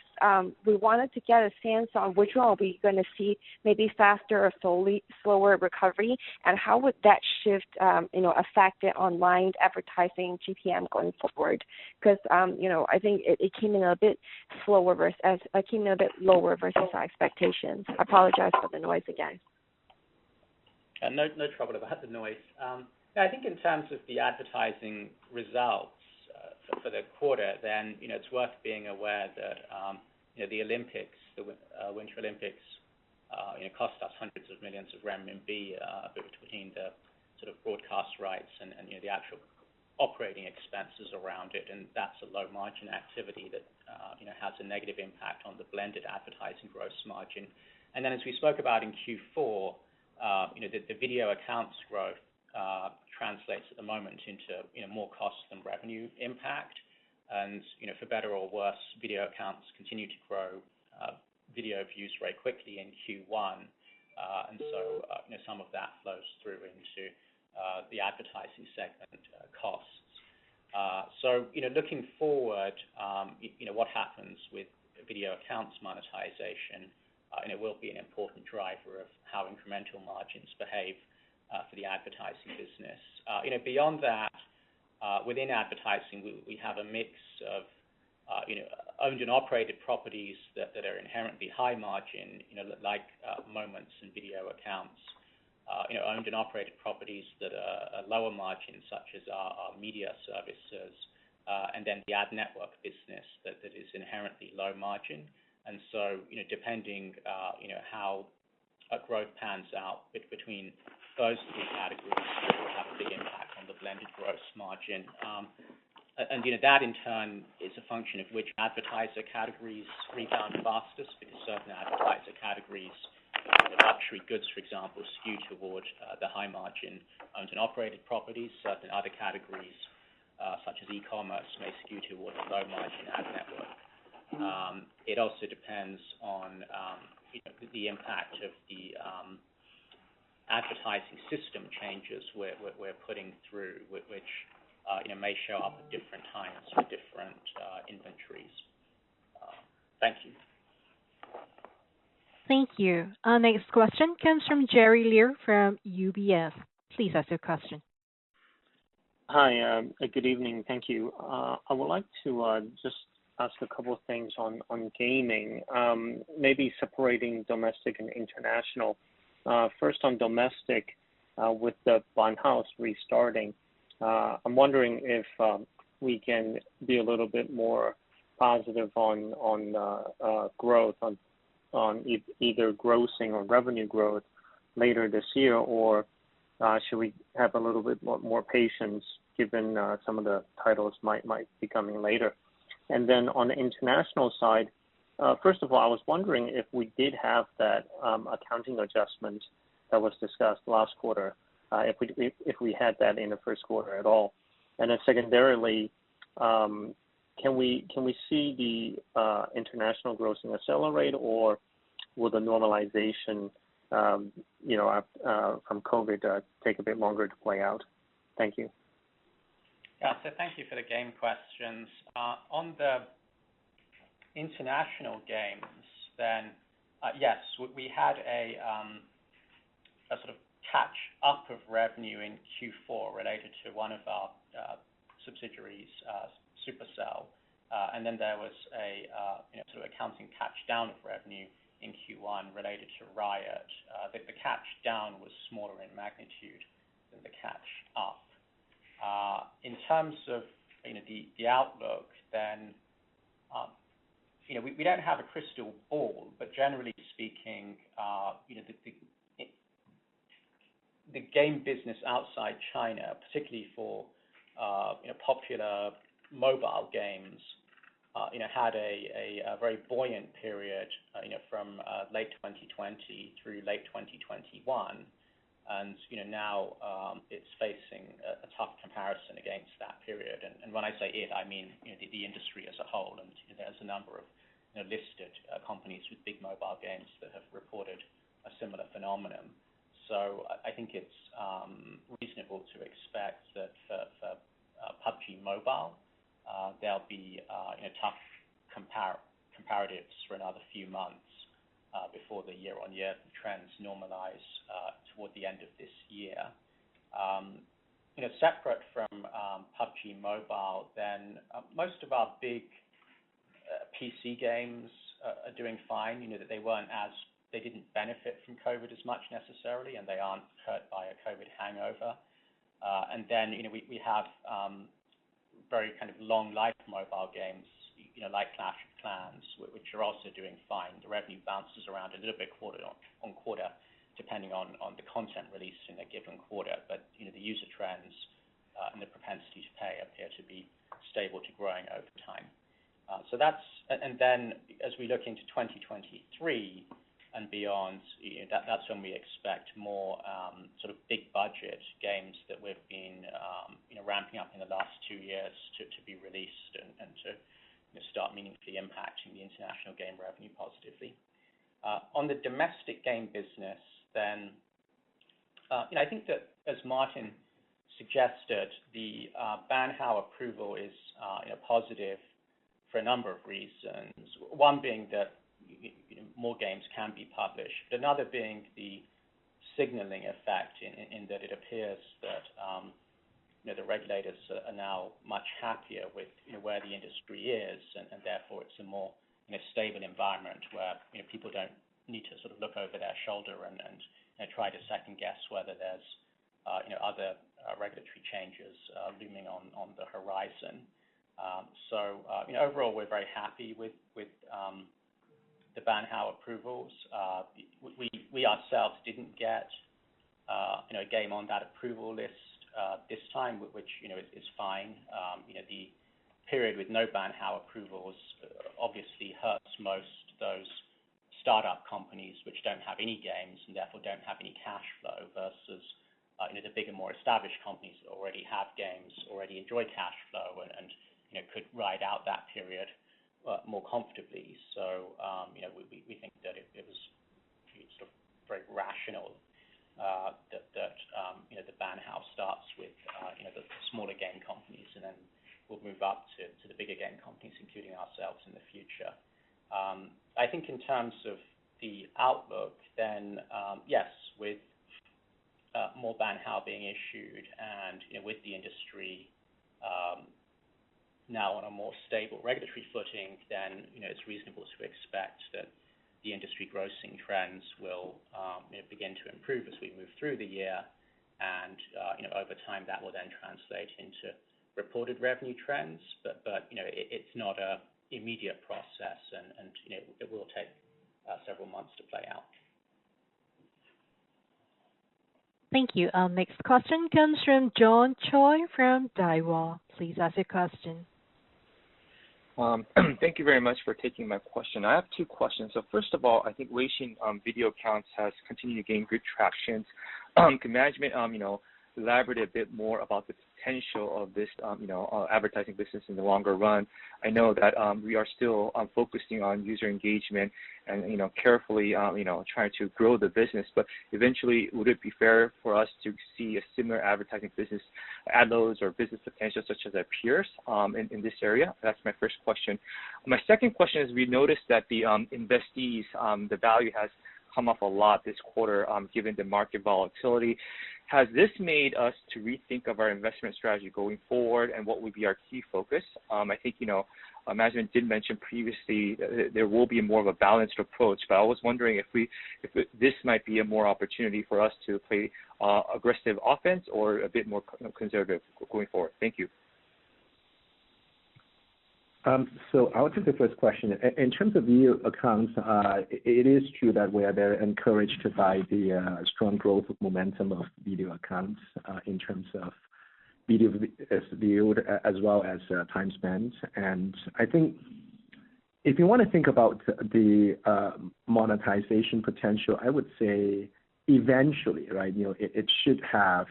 Speaker 11: we wanted to get a sense on which one are we gonna see maybe faster or slower recovery, and how would that shift, you know, affect the online advertising GPM going forward? 'Cause, you know, I think it came in a bit lower versus our expectations. I apologize for the noise again.
Speaker 5: Yeah. No, no trouble at all with the noise. I think in terms of the advertising results for the quarter, then, you know, it's worth being aware that, you know, the Olympics, the Winter Olympics, you know, cost us CNY hundreds of millions between the sort of broadcast rights and, you know, the actual operating expenses around it, and that's a low margin activity that, you know, has a negative impact on the blended advertising gross margin. As we spoke about in Q4, you know, the Video Accounts growth translates at the moment into, you know, more cost than revenue impact. For better or worse, Video Accounts continue to grow video views very quickly in Q1. You know, some of that flows through into the advertising segment costs. Looking forward, you know, what happens with Video Accounts monetization, and it will be an important driver of how incremental margins behave for the advertising business. You know, beyond that, within advertising, we have a mix of, you know, owned and operated properties that are inherently high margin, you know, like Moments and Video Accounts, you know, owned and operated properties that are lower margin, such as our media services, and then the ad network business that is inherently low margin. You know, depending, you know, how a growth pans out between those three categories will have a big impact on the blended gross margin. You know, that in turn is a function of which advertiser categories rebound fastest, because certain advertiser categories, you know, luxury goods, for example, skew toward the high margin owned and operated properties. Certain other categories, such as e-commerce may skew towards low margin ad network. It also depends on, you know, the impact of the advertising system changes we're putting through which, you know, may show up at different times for different inventories. Thank you.
Speaker 11: Thank you. Our next question comes from Jerry Liu from UBS. Please ask your question.
Speaker 12: Hi, good evening. Thank you. I would like to just ask a couple of things on gaming, maybe separating domestic and international. First on domestic, with the ban hao restarting, I'm wondering if we can be a little bit more positive on growth on either grossing or revenue growth later this year, or should we have a little bit more patience given some of the titles might be coming later? Then on the international side, first of all, I was wondering if we did have that accounting adjustment that was discussed last quarter, if we had that in the first quarter at all. Secondarily, can we see the international grossing accelerate or will the normalization, you know, from COVID take a bit longer to play out? Thank you.
Speaker 5: Yeah. Thank you for the game questions. On the international games then, yes, we had a sort of catch up of revenue in Q4 related to one of our subsidiaries, Supercell. And then there was a you know, sort of accounting catch down of revenue in Q1 related to Riot, but the catch down was smaller in magnitude than the catch up. In terms of the outlook then, you know, we don't have a crystal ball, but generally speaking, you know, the game business outside China, particularly for popular mobile games, you know, had a very buoyant period, you know, from late 2020 through late 2021. You know, now, it's facing a tough comparison against that period. When I say it, I mean, you know, the industry as a whole, and there's a number of, you know, listed companies with big mobile games that have reported a similar phenomenon. I think it's reasonable to expect that for PUBG Mobile, there'll be, you know, tough comparatives for another few months before the year-on-year trends normalize toward the end of this year. You know, separate from PUBG Mobile then, most of our big PC games are doing fine. You know, that they didn't benefit from COVID as much necessarily, and they aren't hurt by a COVID hangover. You know, we have very kind of long life mobile games, you know, like Clash of Clans, which are also doing fine. The revenue bounces around a little bit quarter-on-quarter depending on the content released in a given quarter. You know, the user trends and the propensity to pay appear to be stable to growing over time. As we look into 2023 and beyond, you know, that's when we expect more sort of big budget games that we've been you know, ramping up in the last two years to be released and to start meaningfully impacting the international game revenue positively. On the domestic game business, I think that as Martin suggested, the ban hao approval is you know positive for a number of reasons. One being that, you know, more games can be published, another being the signaling effect in that it appears that, you know, the regulators are now much happier with, you know, where the industry is, and therefore it's a more, you know, stable environment where, you know, people don't need to sort of look over their shoulder and try to second-guess whether there's, you know, other regulatory changes looming on the horizon. So, you know, overall, we're very happy with the ban hao approvals. We ourselves didn't get, you know, a game on that approval list this time, which, you know, is fine. You know, the period with no ban hao approvals obviously hurts most those startup companies which don't have any games and therefore don't have any cash flow versus, you know, the bigger, more established companies that already have games, already enjoy cash flow and, you know, could ride out that period, more comfortably. You know, we think that it was sort of very rational, that you know, the ban hao starts with, you know, the smaller game companies and then will move up to the bigger game companies, including ourselves in the future. I think in terms of the outlook then, yes, with more ban hao being issued and, you know, with the industry now on a more stable regulatory footing than, you know, it's reasonable to expect that the industry grossing trends will, you know, begin to improve as we move through the year, and, you know, over time, that will then translate into reported revenue trends. It's not an immediate process and, you know, it will take several months to play out.
Speaker 1: Thank you. Next question comes from John Choi from Daiwa. Please ask your question.
Speaker 13: Thank you very much for taking my question. I have two questions. First of all, I think Weixin Video Accounts has continued to gain good traction. Can management you know, elaborate a bit more about the potential of this you know advertising business in the longer run? I know that we are still focusing on user engagement and you know, carefully you know, trying to grow the business. But eventually, would it be fair for us to see a similar advertising business ad loads or business potential such as our peers in this area? That's my first question. My second question is, we noticed that the investees the value has come up a lot this quarter given the market volatility. Has this made us to rethink of our investment strategy going forward and what would be our key focus? I think, you know, management did mention previously that there will be more of a balanced approach, but I was wondering if this might be a more opportunity for us to play aggressive offense or a bit more conservative going forward. Thank you.
Speaker 4: I will take the first question. In terms of Video Accounts, it is true that we are very encouraged by the strong growth momentum of Video Accounts, in terms of videos viewed as well as time spent. I think if you wanna think about the monetization potential, I would say eventually, right, you know, it should have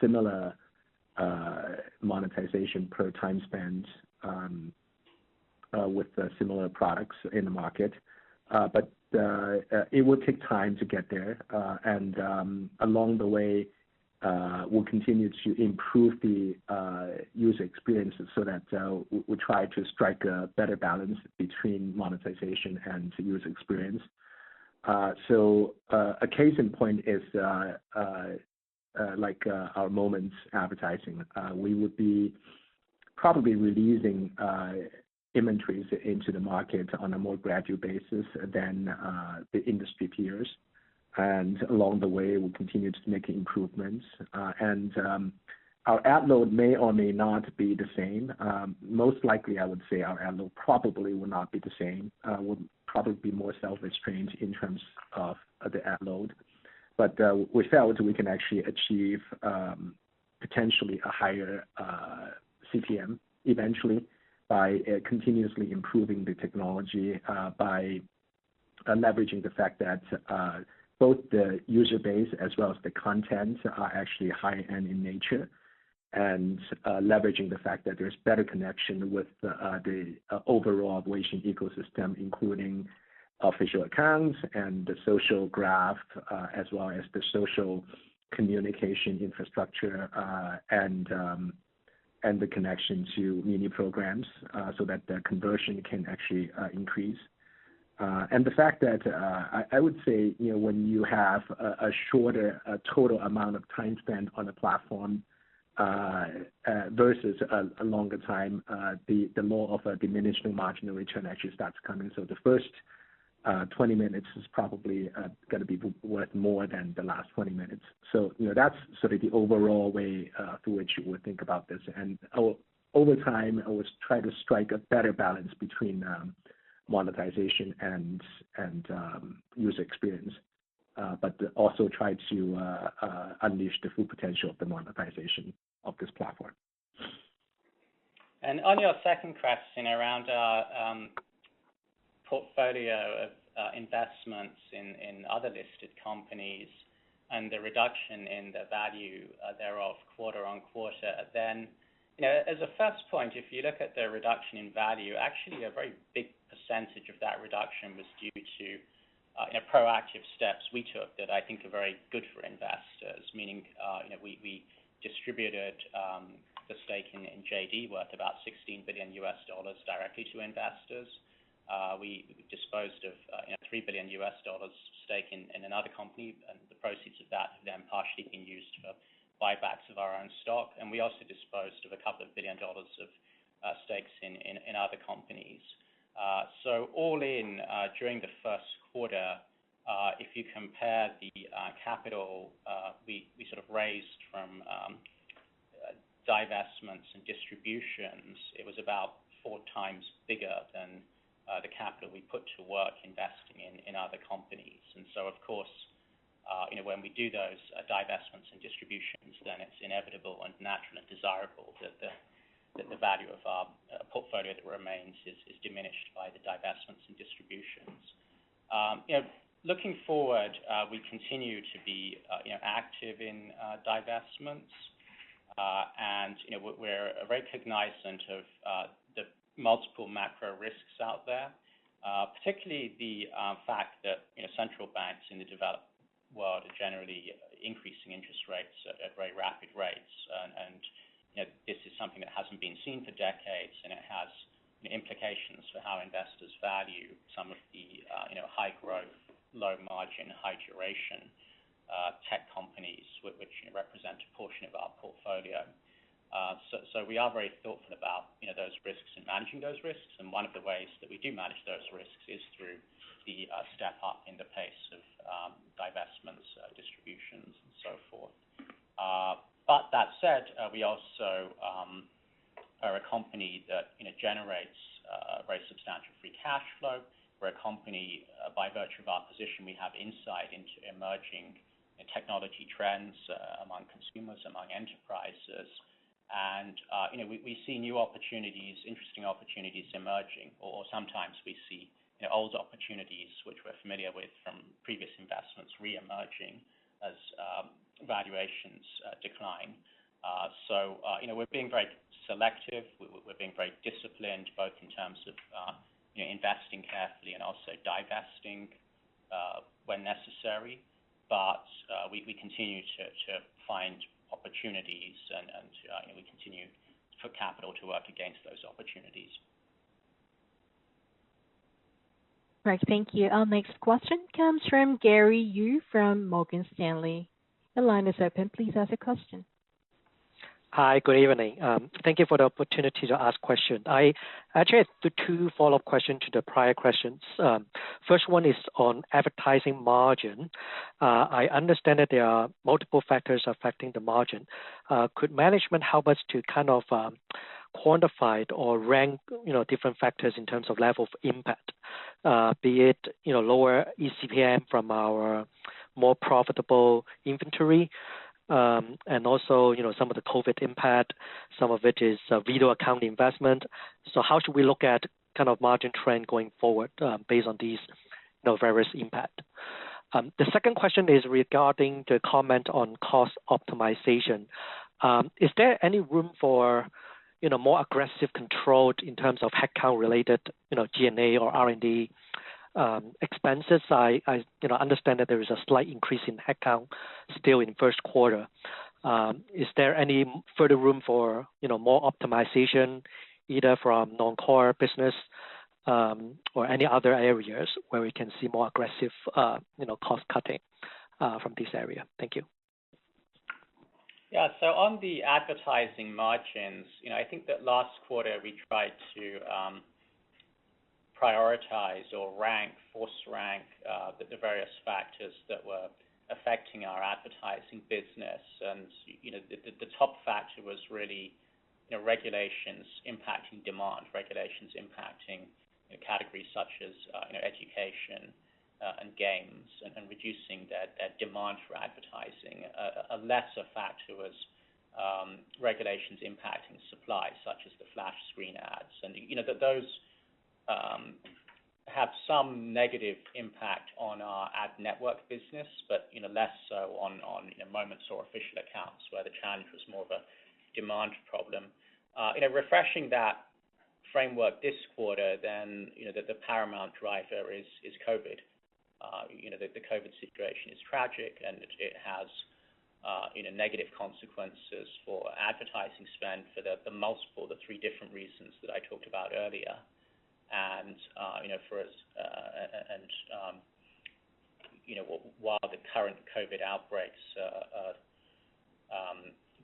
Speaker 4: similar monetization per time spent with the similar products in the market. It will take time to get there. Along the way, we'll continue to improve the user experience so that we try to strike a better balance between monetization and user experience. A case in point is like our Moments advertising. We would be probably releasing inventories into the market on a more gradual basis than the industry peers. Along the way, we'll continue to make improvements. Our ad load may or may not be the same. Most likely, I would say our ad load probably will not be the same, will probably be more self-restrained in terms of the ad load. With that, we can actually achieve potentially a higher CPM eventually by continuously improving the technology by leveraging the fact that both the user base as well as the content are actually high-end in nature and leveraging the fact that there's better connection with the overall Weixin ecosystem, including official accounts and the social graph as well as the social communication infrastructure and the connection to mini programs so that the conversion can actually increase. The fact that, I would say, you know, when you have a shorter total amount of time spent on a platform versus a longer time, the more of a diminishing marginal return actually starts coming. The first 20 minutes is probably gonna be worth more than the last 20 minutes. You know, that's sort of the overall way through which we think about this. Over time, always try to strike a better balance between monetization and user experience, but also try to unleash the full potential of the monetization of this platform.
Speaker 5: On your second question around our portfolio of investments in other listed companies and the reduction in the value thereof quarter-on-quarter. You know, as a first point, if you look at the reduction in value, actually a very big percentage of that reduction was due to proactive steps we took that I think are very good for investors. Meaning, you know, we distributed the stake in JD worth about $16 billion directly to investors. We disposed of, you know, $3 billion stake in another company, and the proceeds of that have then partially been used for buybacks of our own stock. We also disposed of a couple of billion dollars of stakes in other companies. All in, during the first quarter, if you compare the capital we sort of raised from divestments and distributions, it was about four times bigger than the capital we put to work investing in other companies. Of course, you know, when we do those divestments and distributions, it's inevitable and naturally desirable that the value of our portfolio that remains is diminished by the divestments and distributions. You know, looking forward, we continue to be active in divestments. You know, we're very cognizant of the multiple macro risks out there, particularly the fact that central banks in the developed world are generally increasing interest rates at very rapid rates. You know, this is something that hasn't been seen for decades, and it has implications for how investors value some of the, you know, high growth, low margin, high duration, tech companies which represent a portion of our portfolio. We are very thoughtful about, you know, those risks and managing those risks. One of the ways that we do manage those risks is through the step up in the pace of divestments, distributions and so forth. That said, we also are a company that, you know, generates very substantial free cash flow. We're a company, by virtue of our position, we have insight into emerging technology trends, among consumers, among enterprises. You know, we see new opportunities, interesting opportunities emerging. Sometimes we see, you know, old opportunities which we're familiar with from previous investments reemerging as valuations decline. You know, we're being very selective. We're being very disciplined, both in terms of, you know, investing carefully and also divesting when necessary. We continue to find opportunities and, you know, we continue to put capital to work against those opportunities.
Speaker 1: Right. Thank you. Our next question comes from Gary Yu from Morgan Stanley. The line is open. Please ask your question.
Speaker 14: Hi. Good evening. Thank you for the opportunity to ask question. I actually have two follow-up question to the prior questions. First one is on advertising margin. I understand that there are multiple factors affecting the margin. Could management help us to kind of quantify or rank, you know, different factors in terms of level of impact? Be it, you know, lower eCPM from our more profitable inventory, and also, you know, some of the COVID impact, some of it is Video Accounts investment. So how should we look at kind of margin trend going forward, based on these, you know, various impact? The second question is regarding the comment on cost optimization. Is there any room for, you know, more aggressive control in terms of headcount-related, you know, G&A or R&D, expenses? I you know understand that there is a slight increase in headcount still in first quarter. Is there any further room for, you know, more optimization, either from non-core business, or any other areas where we can see more aggressive, you know, cost cutting, from this area? Thank you.
Speaker 5: Yeah. On the advertising margins, you know, I think that last quarter we tried to prioritize or rank, force rank the various factors that were affecting our advertising business. You know, the top factor was really, you know, regulations impacting demand, regulations impacting categories such as, you know, education and games, and reducing the demand for advertising. A lesser factor was regulations impacting supply, such as the flash screen ads. You know, those have some negative impact on our ad network business, but, you know, less so on Moments or official accounts where the challenge was more of a demand problem. You know, refreshing that framework this quarter, the paramount driver is COVID. You know, the COVID situation is tragic and it has you know negative consequences for advertising spend for the three different reasons that I talked about earlier. You know, for us and while the current COVID outbreaks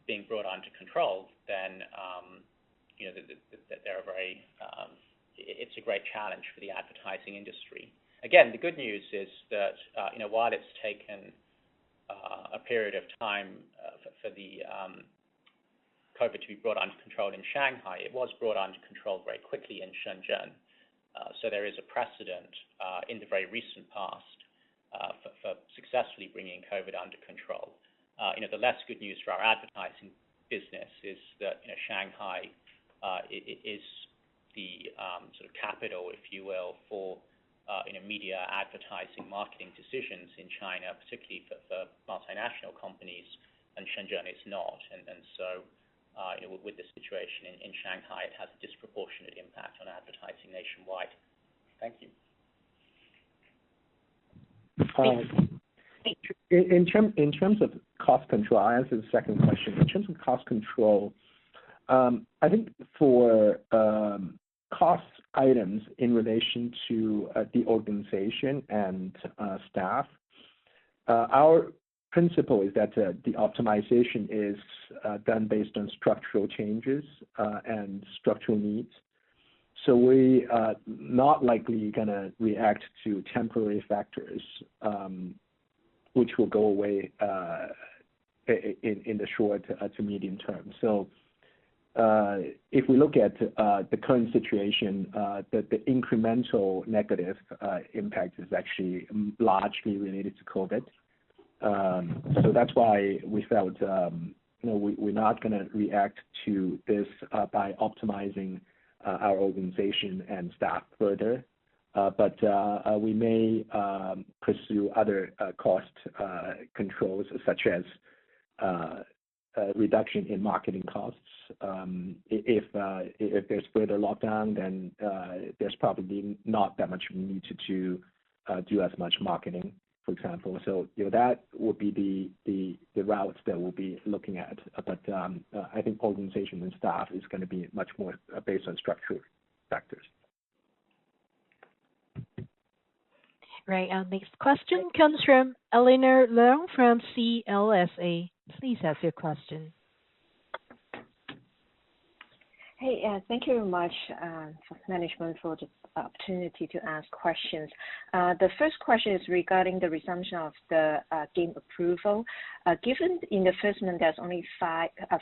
Speaker 5: being brought under control, then you know they're very. It's a great challenge for the advertising industry. Again, the good news is that you know while it's taken a period of time for the COVID to be brought under control in Shanghai, it was brought under control very quickly in Shenzhen. There is a precedent in the very recent past for successfully bringing COVID under control. You know, the less good news for our advertising business is that, you know, Shanghai is the sort of capital, if you will, for you know, media advertising marketing decisions in China, particularly for multinational companies, and Shenzhen is not. You know, with the situation in Shanghai, it has a disproportionate impact on advertising nationwide. Thank you.
Speaker 1: Thank you.
Speaker 4: In terms of cost control, I answer the second question. In terms of cost control, I think for cost items in relation to the organization and staff, our principle is that the optimization is done based on structural changes and structural needs. We are not likely gonna react to temporary factors, which will go away in the short to medium term. If we look at the current situation, the incremental negative impact is actually largely related to COVID. That's why we felt, you know, we're not gonna react to this by optimizing our organization and staff further. We may pursue other cost controls such as reduction in marketing costs. If there's further lockdown then there's probably not that much need to do as much marketing, for example. You know, that would be the routes that we'll be looking at. I think organization and staff is gonna be much more based on structural factors.
Speaker 1: Right. Our next question comes from Elinor Leung from CLSA. Please ask your question.
Speaker 15: Thank you very much, management, for the opportunity to ask questions. The first question is regarding the resumption of the game approval. Given in the first month there's only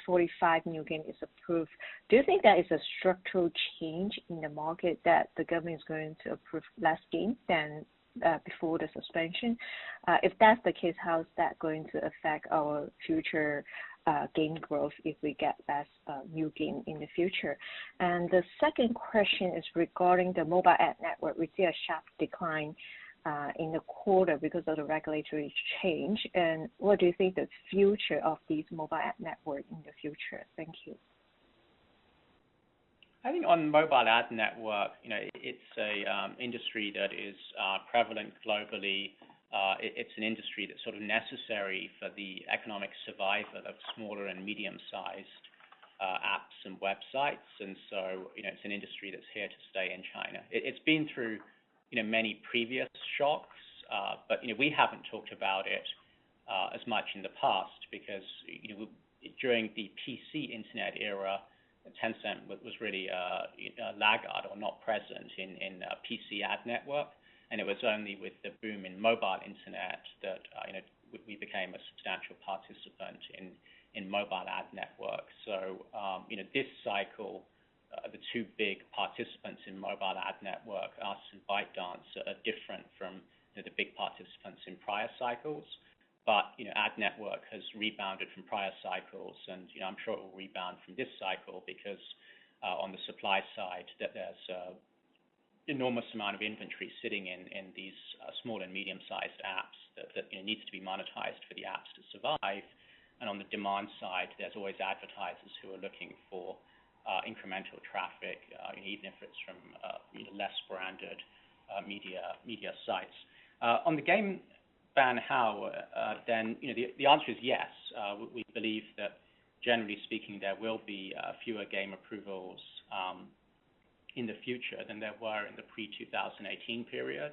Speaker 15: 45 new game is approved, do you think there is a structural change in the market that the government is going to approve less games than before the suspension? If that's the case, how is that going to affect our future game growth if we get less new game in the future? The second question is regarding the mobile ad network. We see a sharp decline in the quarter because of the regulatory change, and what do you think the future of these mobile ad network in the future? Thank you.
Speaker 5: I think on mobile ad network, you know, it's an industry that is prevalent globally. It's an industry that's sort of necessary for the economic survival of smaller and medium-sized apps and websites. It's an industry that's here to stay in China. It's been through, you know, many previous shocks, but, you know, we haven't talked about it as much in the past because, you know, during the PC internet era, Tencent was really a laggard or not present in a PC ad network. It was only with the boom in mobile internet that, you know, we became a substantial participant in mobile ad networks. You know, this cycle, the two big participants in mobile ad network, us and ByteDance, are different from, you know, the big participants in prior cycles. You know, ad network has rebounded from prior cycles and, you know, I'm sure it will rebound from this cycle because on the supply side there's enormous amount of inventory sitting in these small and medium sized apps that you know needs to be monetized for the apps to survive. On the demand side, there's always advertisers who are looking for incremental traffic even if it's from you know less branded media sites. On the game ban hao, you know the answer is yes. We believe that generally speaking, there will be fewer game approvals in the future than there were in the pre-2018 period.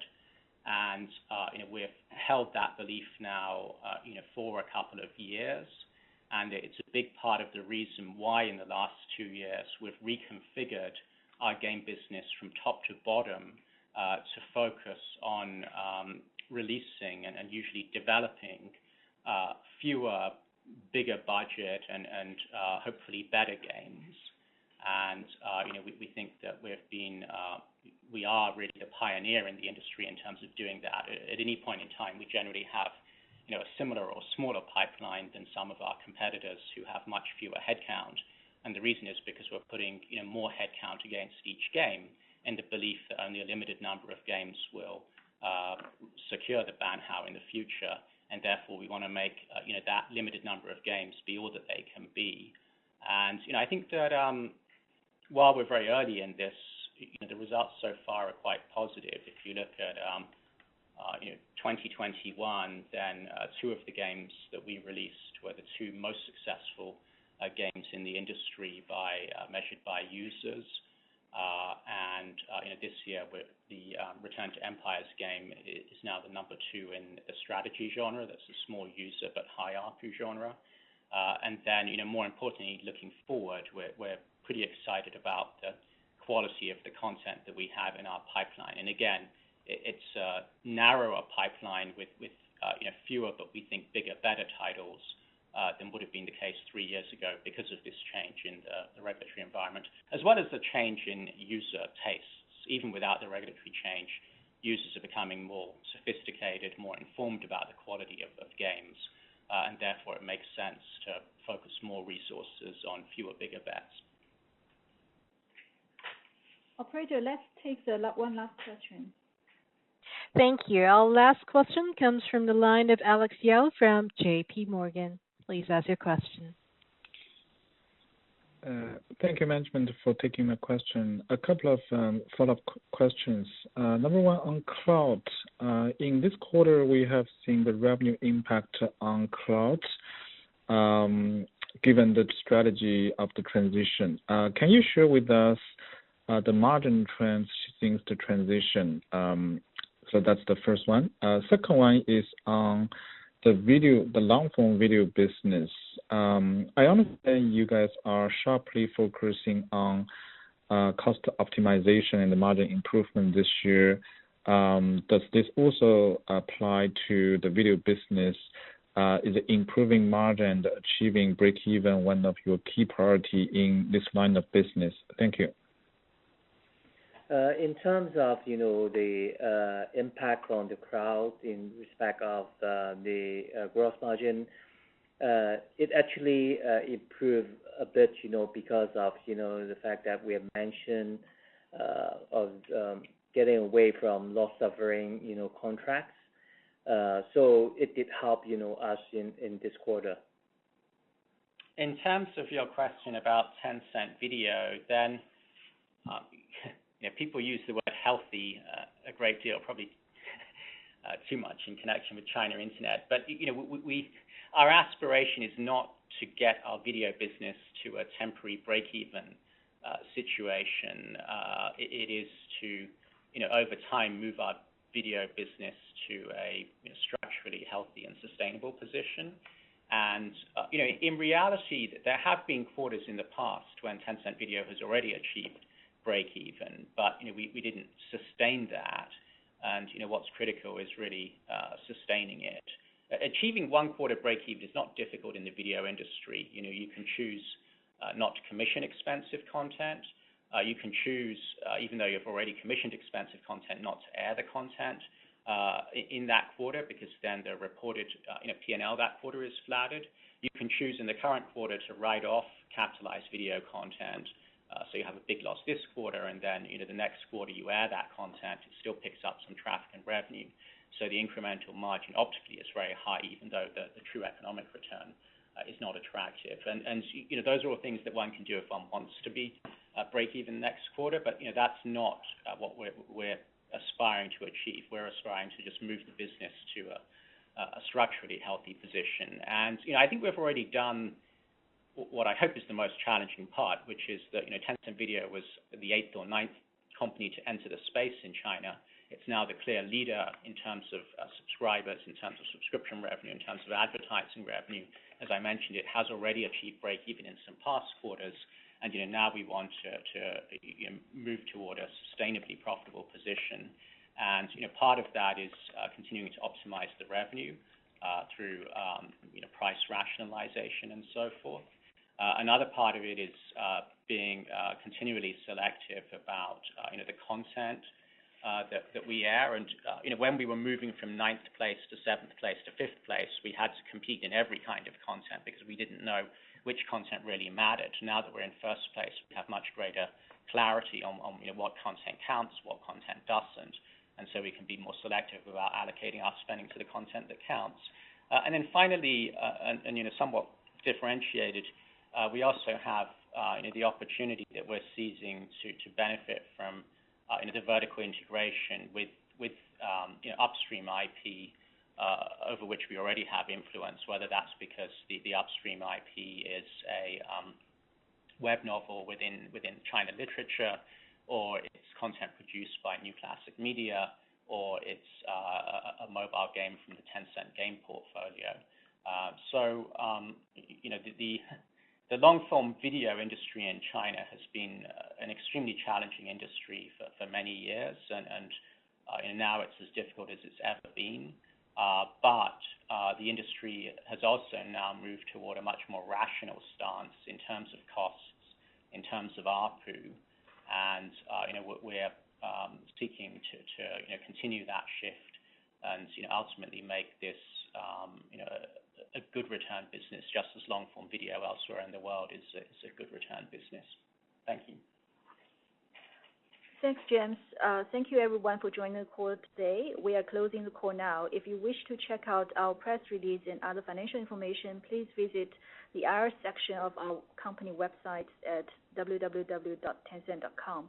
Speaker 5: You know, we've held that belief now for a couple of years, and it's a big part of the reason why in the last two years we've reconfigured our game business from top to bottom to focus on releasing and usually developing fewer, bigger-budget and hopefully better games. You know, we think that we are really the pioneer in the industry in terms of doing that. At any point in time, we generally have you know, a similar or smaller pipeline than some of our competitors who have much larger headcount. The reason is because we're putting, you know, more headcount against each game in the belief that only a limited number of games will secure the ban hao in the future, and therefore we wanna make, you know, that limited number of games be all that they can be. You know, I think that while we're very early in this, you know, the results so far are quite positive. If you look at, you know, 2021, then two of the games that we released were the two most successful games in the industry as measured by users. You know, this year with the Return to Empire game is now the number two in the strategy genre. That's a small user but high ARPU genre. You know, more importantly, looking forward, we're pretty excited about the quality of the content that we have in our pipeline. Again, it's a narrower pipeline with, you know, fewer, but we think bigger, better titles than would have been the case three years ago because of this, the regulatory environment, as well as the change in user tastes. Even without the regulatory change, users are becoming more sophisticated, more informed about the quality of games. Therefore it makes sense to focus more resources on fewer bigger bets.
Speaker 2: Operator, let's take one last question.
Speaker 1: Thank you. Our last question comes from the line of Alex Yao from J.P. Morgan. Please ask your question.
Speaker 16: Thank you management for taking my question. A couple of follow-up questions. Number one on cloud. In this quarter, we have seen the revenue impact on cloud, given the strategy of the transition. Can you share with us the margin trends since the transition? That's the first one. Second one is on the video, the long-form video business. I understand you guys are sharply focusing on cost optimization and margin improvement this year. Does this also apply to the video business? Is improving margin and achieving breakeven one of your key priority in this line of business? Thank you.
Speaker 6: In terms of, you know, the impact on the cloud in respect of the growth margin, it actually improved a bit, you know, because of, you know, the fact that we have mentioned of getting away from loss-making contracts. It did help, you know, us in this quarter.
Speaker 5: In terms of your question about Tencent Video, then, you know, people use the word healthy a great deal, probably too much in connection with Chinese internet. You know, our aspiration is not to get our video business to a temporary breakeven situation. It is to, you know, over time move our video business to a structurally healthy and sustainable position. You know, in reality, there have been quarters in the past when Tencent Video has already achieved breakeven, but, you know, we didn't sustain that. You know, what's critical is really sustaining it. Achieving one quarter breakeven is not difficult in the video industry. You know, you can choose not to commission expensive content. You can choose, even though you've already commissioned expensive content, not to air the content in that quarter, because then the reported, you know, P&L that quarter is flattered. You can choose in the current quarter to write off capitalized video content. You have a big loss this quarter, and then, you know, the next quarter, you air that content, it still picks up some traffic and revenue. The incremental margin optically is very high, even though the true economic return is not attractive. You know, those are all things that one can do if one wants to be at breakeven next quarter. You know, that's not what we're aspiring to achieve. We're aspiring to just move the business to a structurally healthy position. You know, I think we've already done what I hope is the most challenging part, which is that, you know, Tencent Video was the eighth or ninth company to enter the space in China. It's now the clear leader in terms of subscribers, in terms of subscription revenue, in terms of advertising revenue. As I mentioned, it has already achieved breakeven in some past quarters. You know, now we want to move toward a sustainably profitable position. You know, part of that is continuing to optimize the revenue through price rationalization and so forth. Another part of it is being continually selective about the content that we air. You know, when we were moving from ninth place to seventh place to fifth place, we had to compete in every kind of content because we didn't know which content really mattered. Now that we're in first place, we have much greater clarity on, you know, what content counts, what content doesn't. We can be more selective about allocating our spending to the content that counts. Finally, you know, somewhat differentiated, we also have, you know, the opportunity that we're seizing to benefit from, you know, the vertical integration with, you know, upstream IP over which we already have influence, whether that's because the upstream IP is a web novel within China Literature, or it's content produced by New Classics Media, or it's a mobile game from the Tencent game portfolio. You know, the long-form video industry in China has been an extremely challenging industry for many years. Now it's as difficult as it's ever been. The industry has also now moved toward a much more rational stance in terms of costs, in terms of ARPU. You know, we're seeking to continue that shift and, you know, ultimately make this, you know, a good return business, just as long-form video elsewhere in the world is a good return business. Thank you.
Speaker 2: Thanks, James. Thank you everyone for joining the call today. We are closing the call now. If you wish to check out our press release and other financial information, please visit the IR section of our company website at Tencent.com.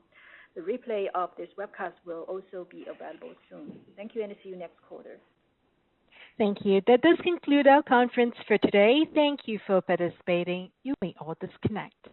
Speaker 2: The replay of this webcast will also be available soon. Thank you, and see you next quarter.
Speaker 1: Thank you. That does conclude our conference for today. Thank you for participating. You may all disconnect.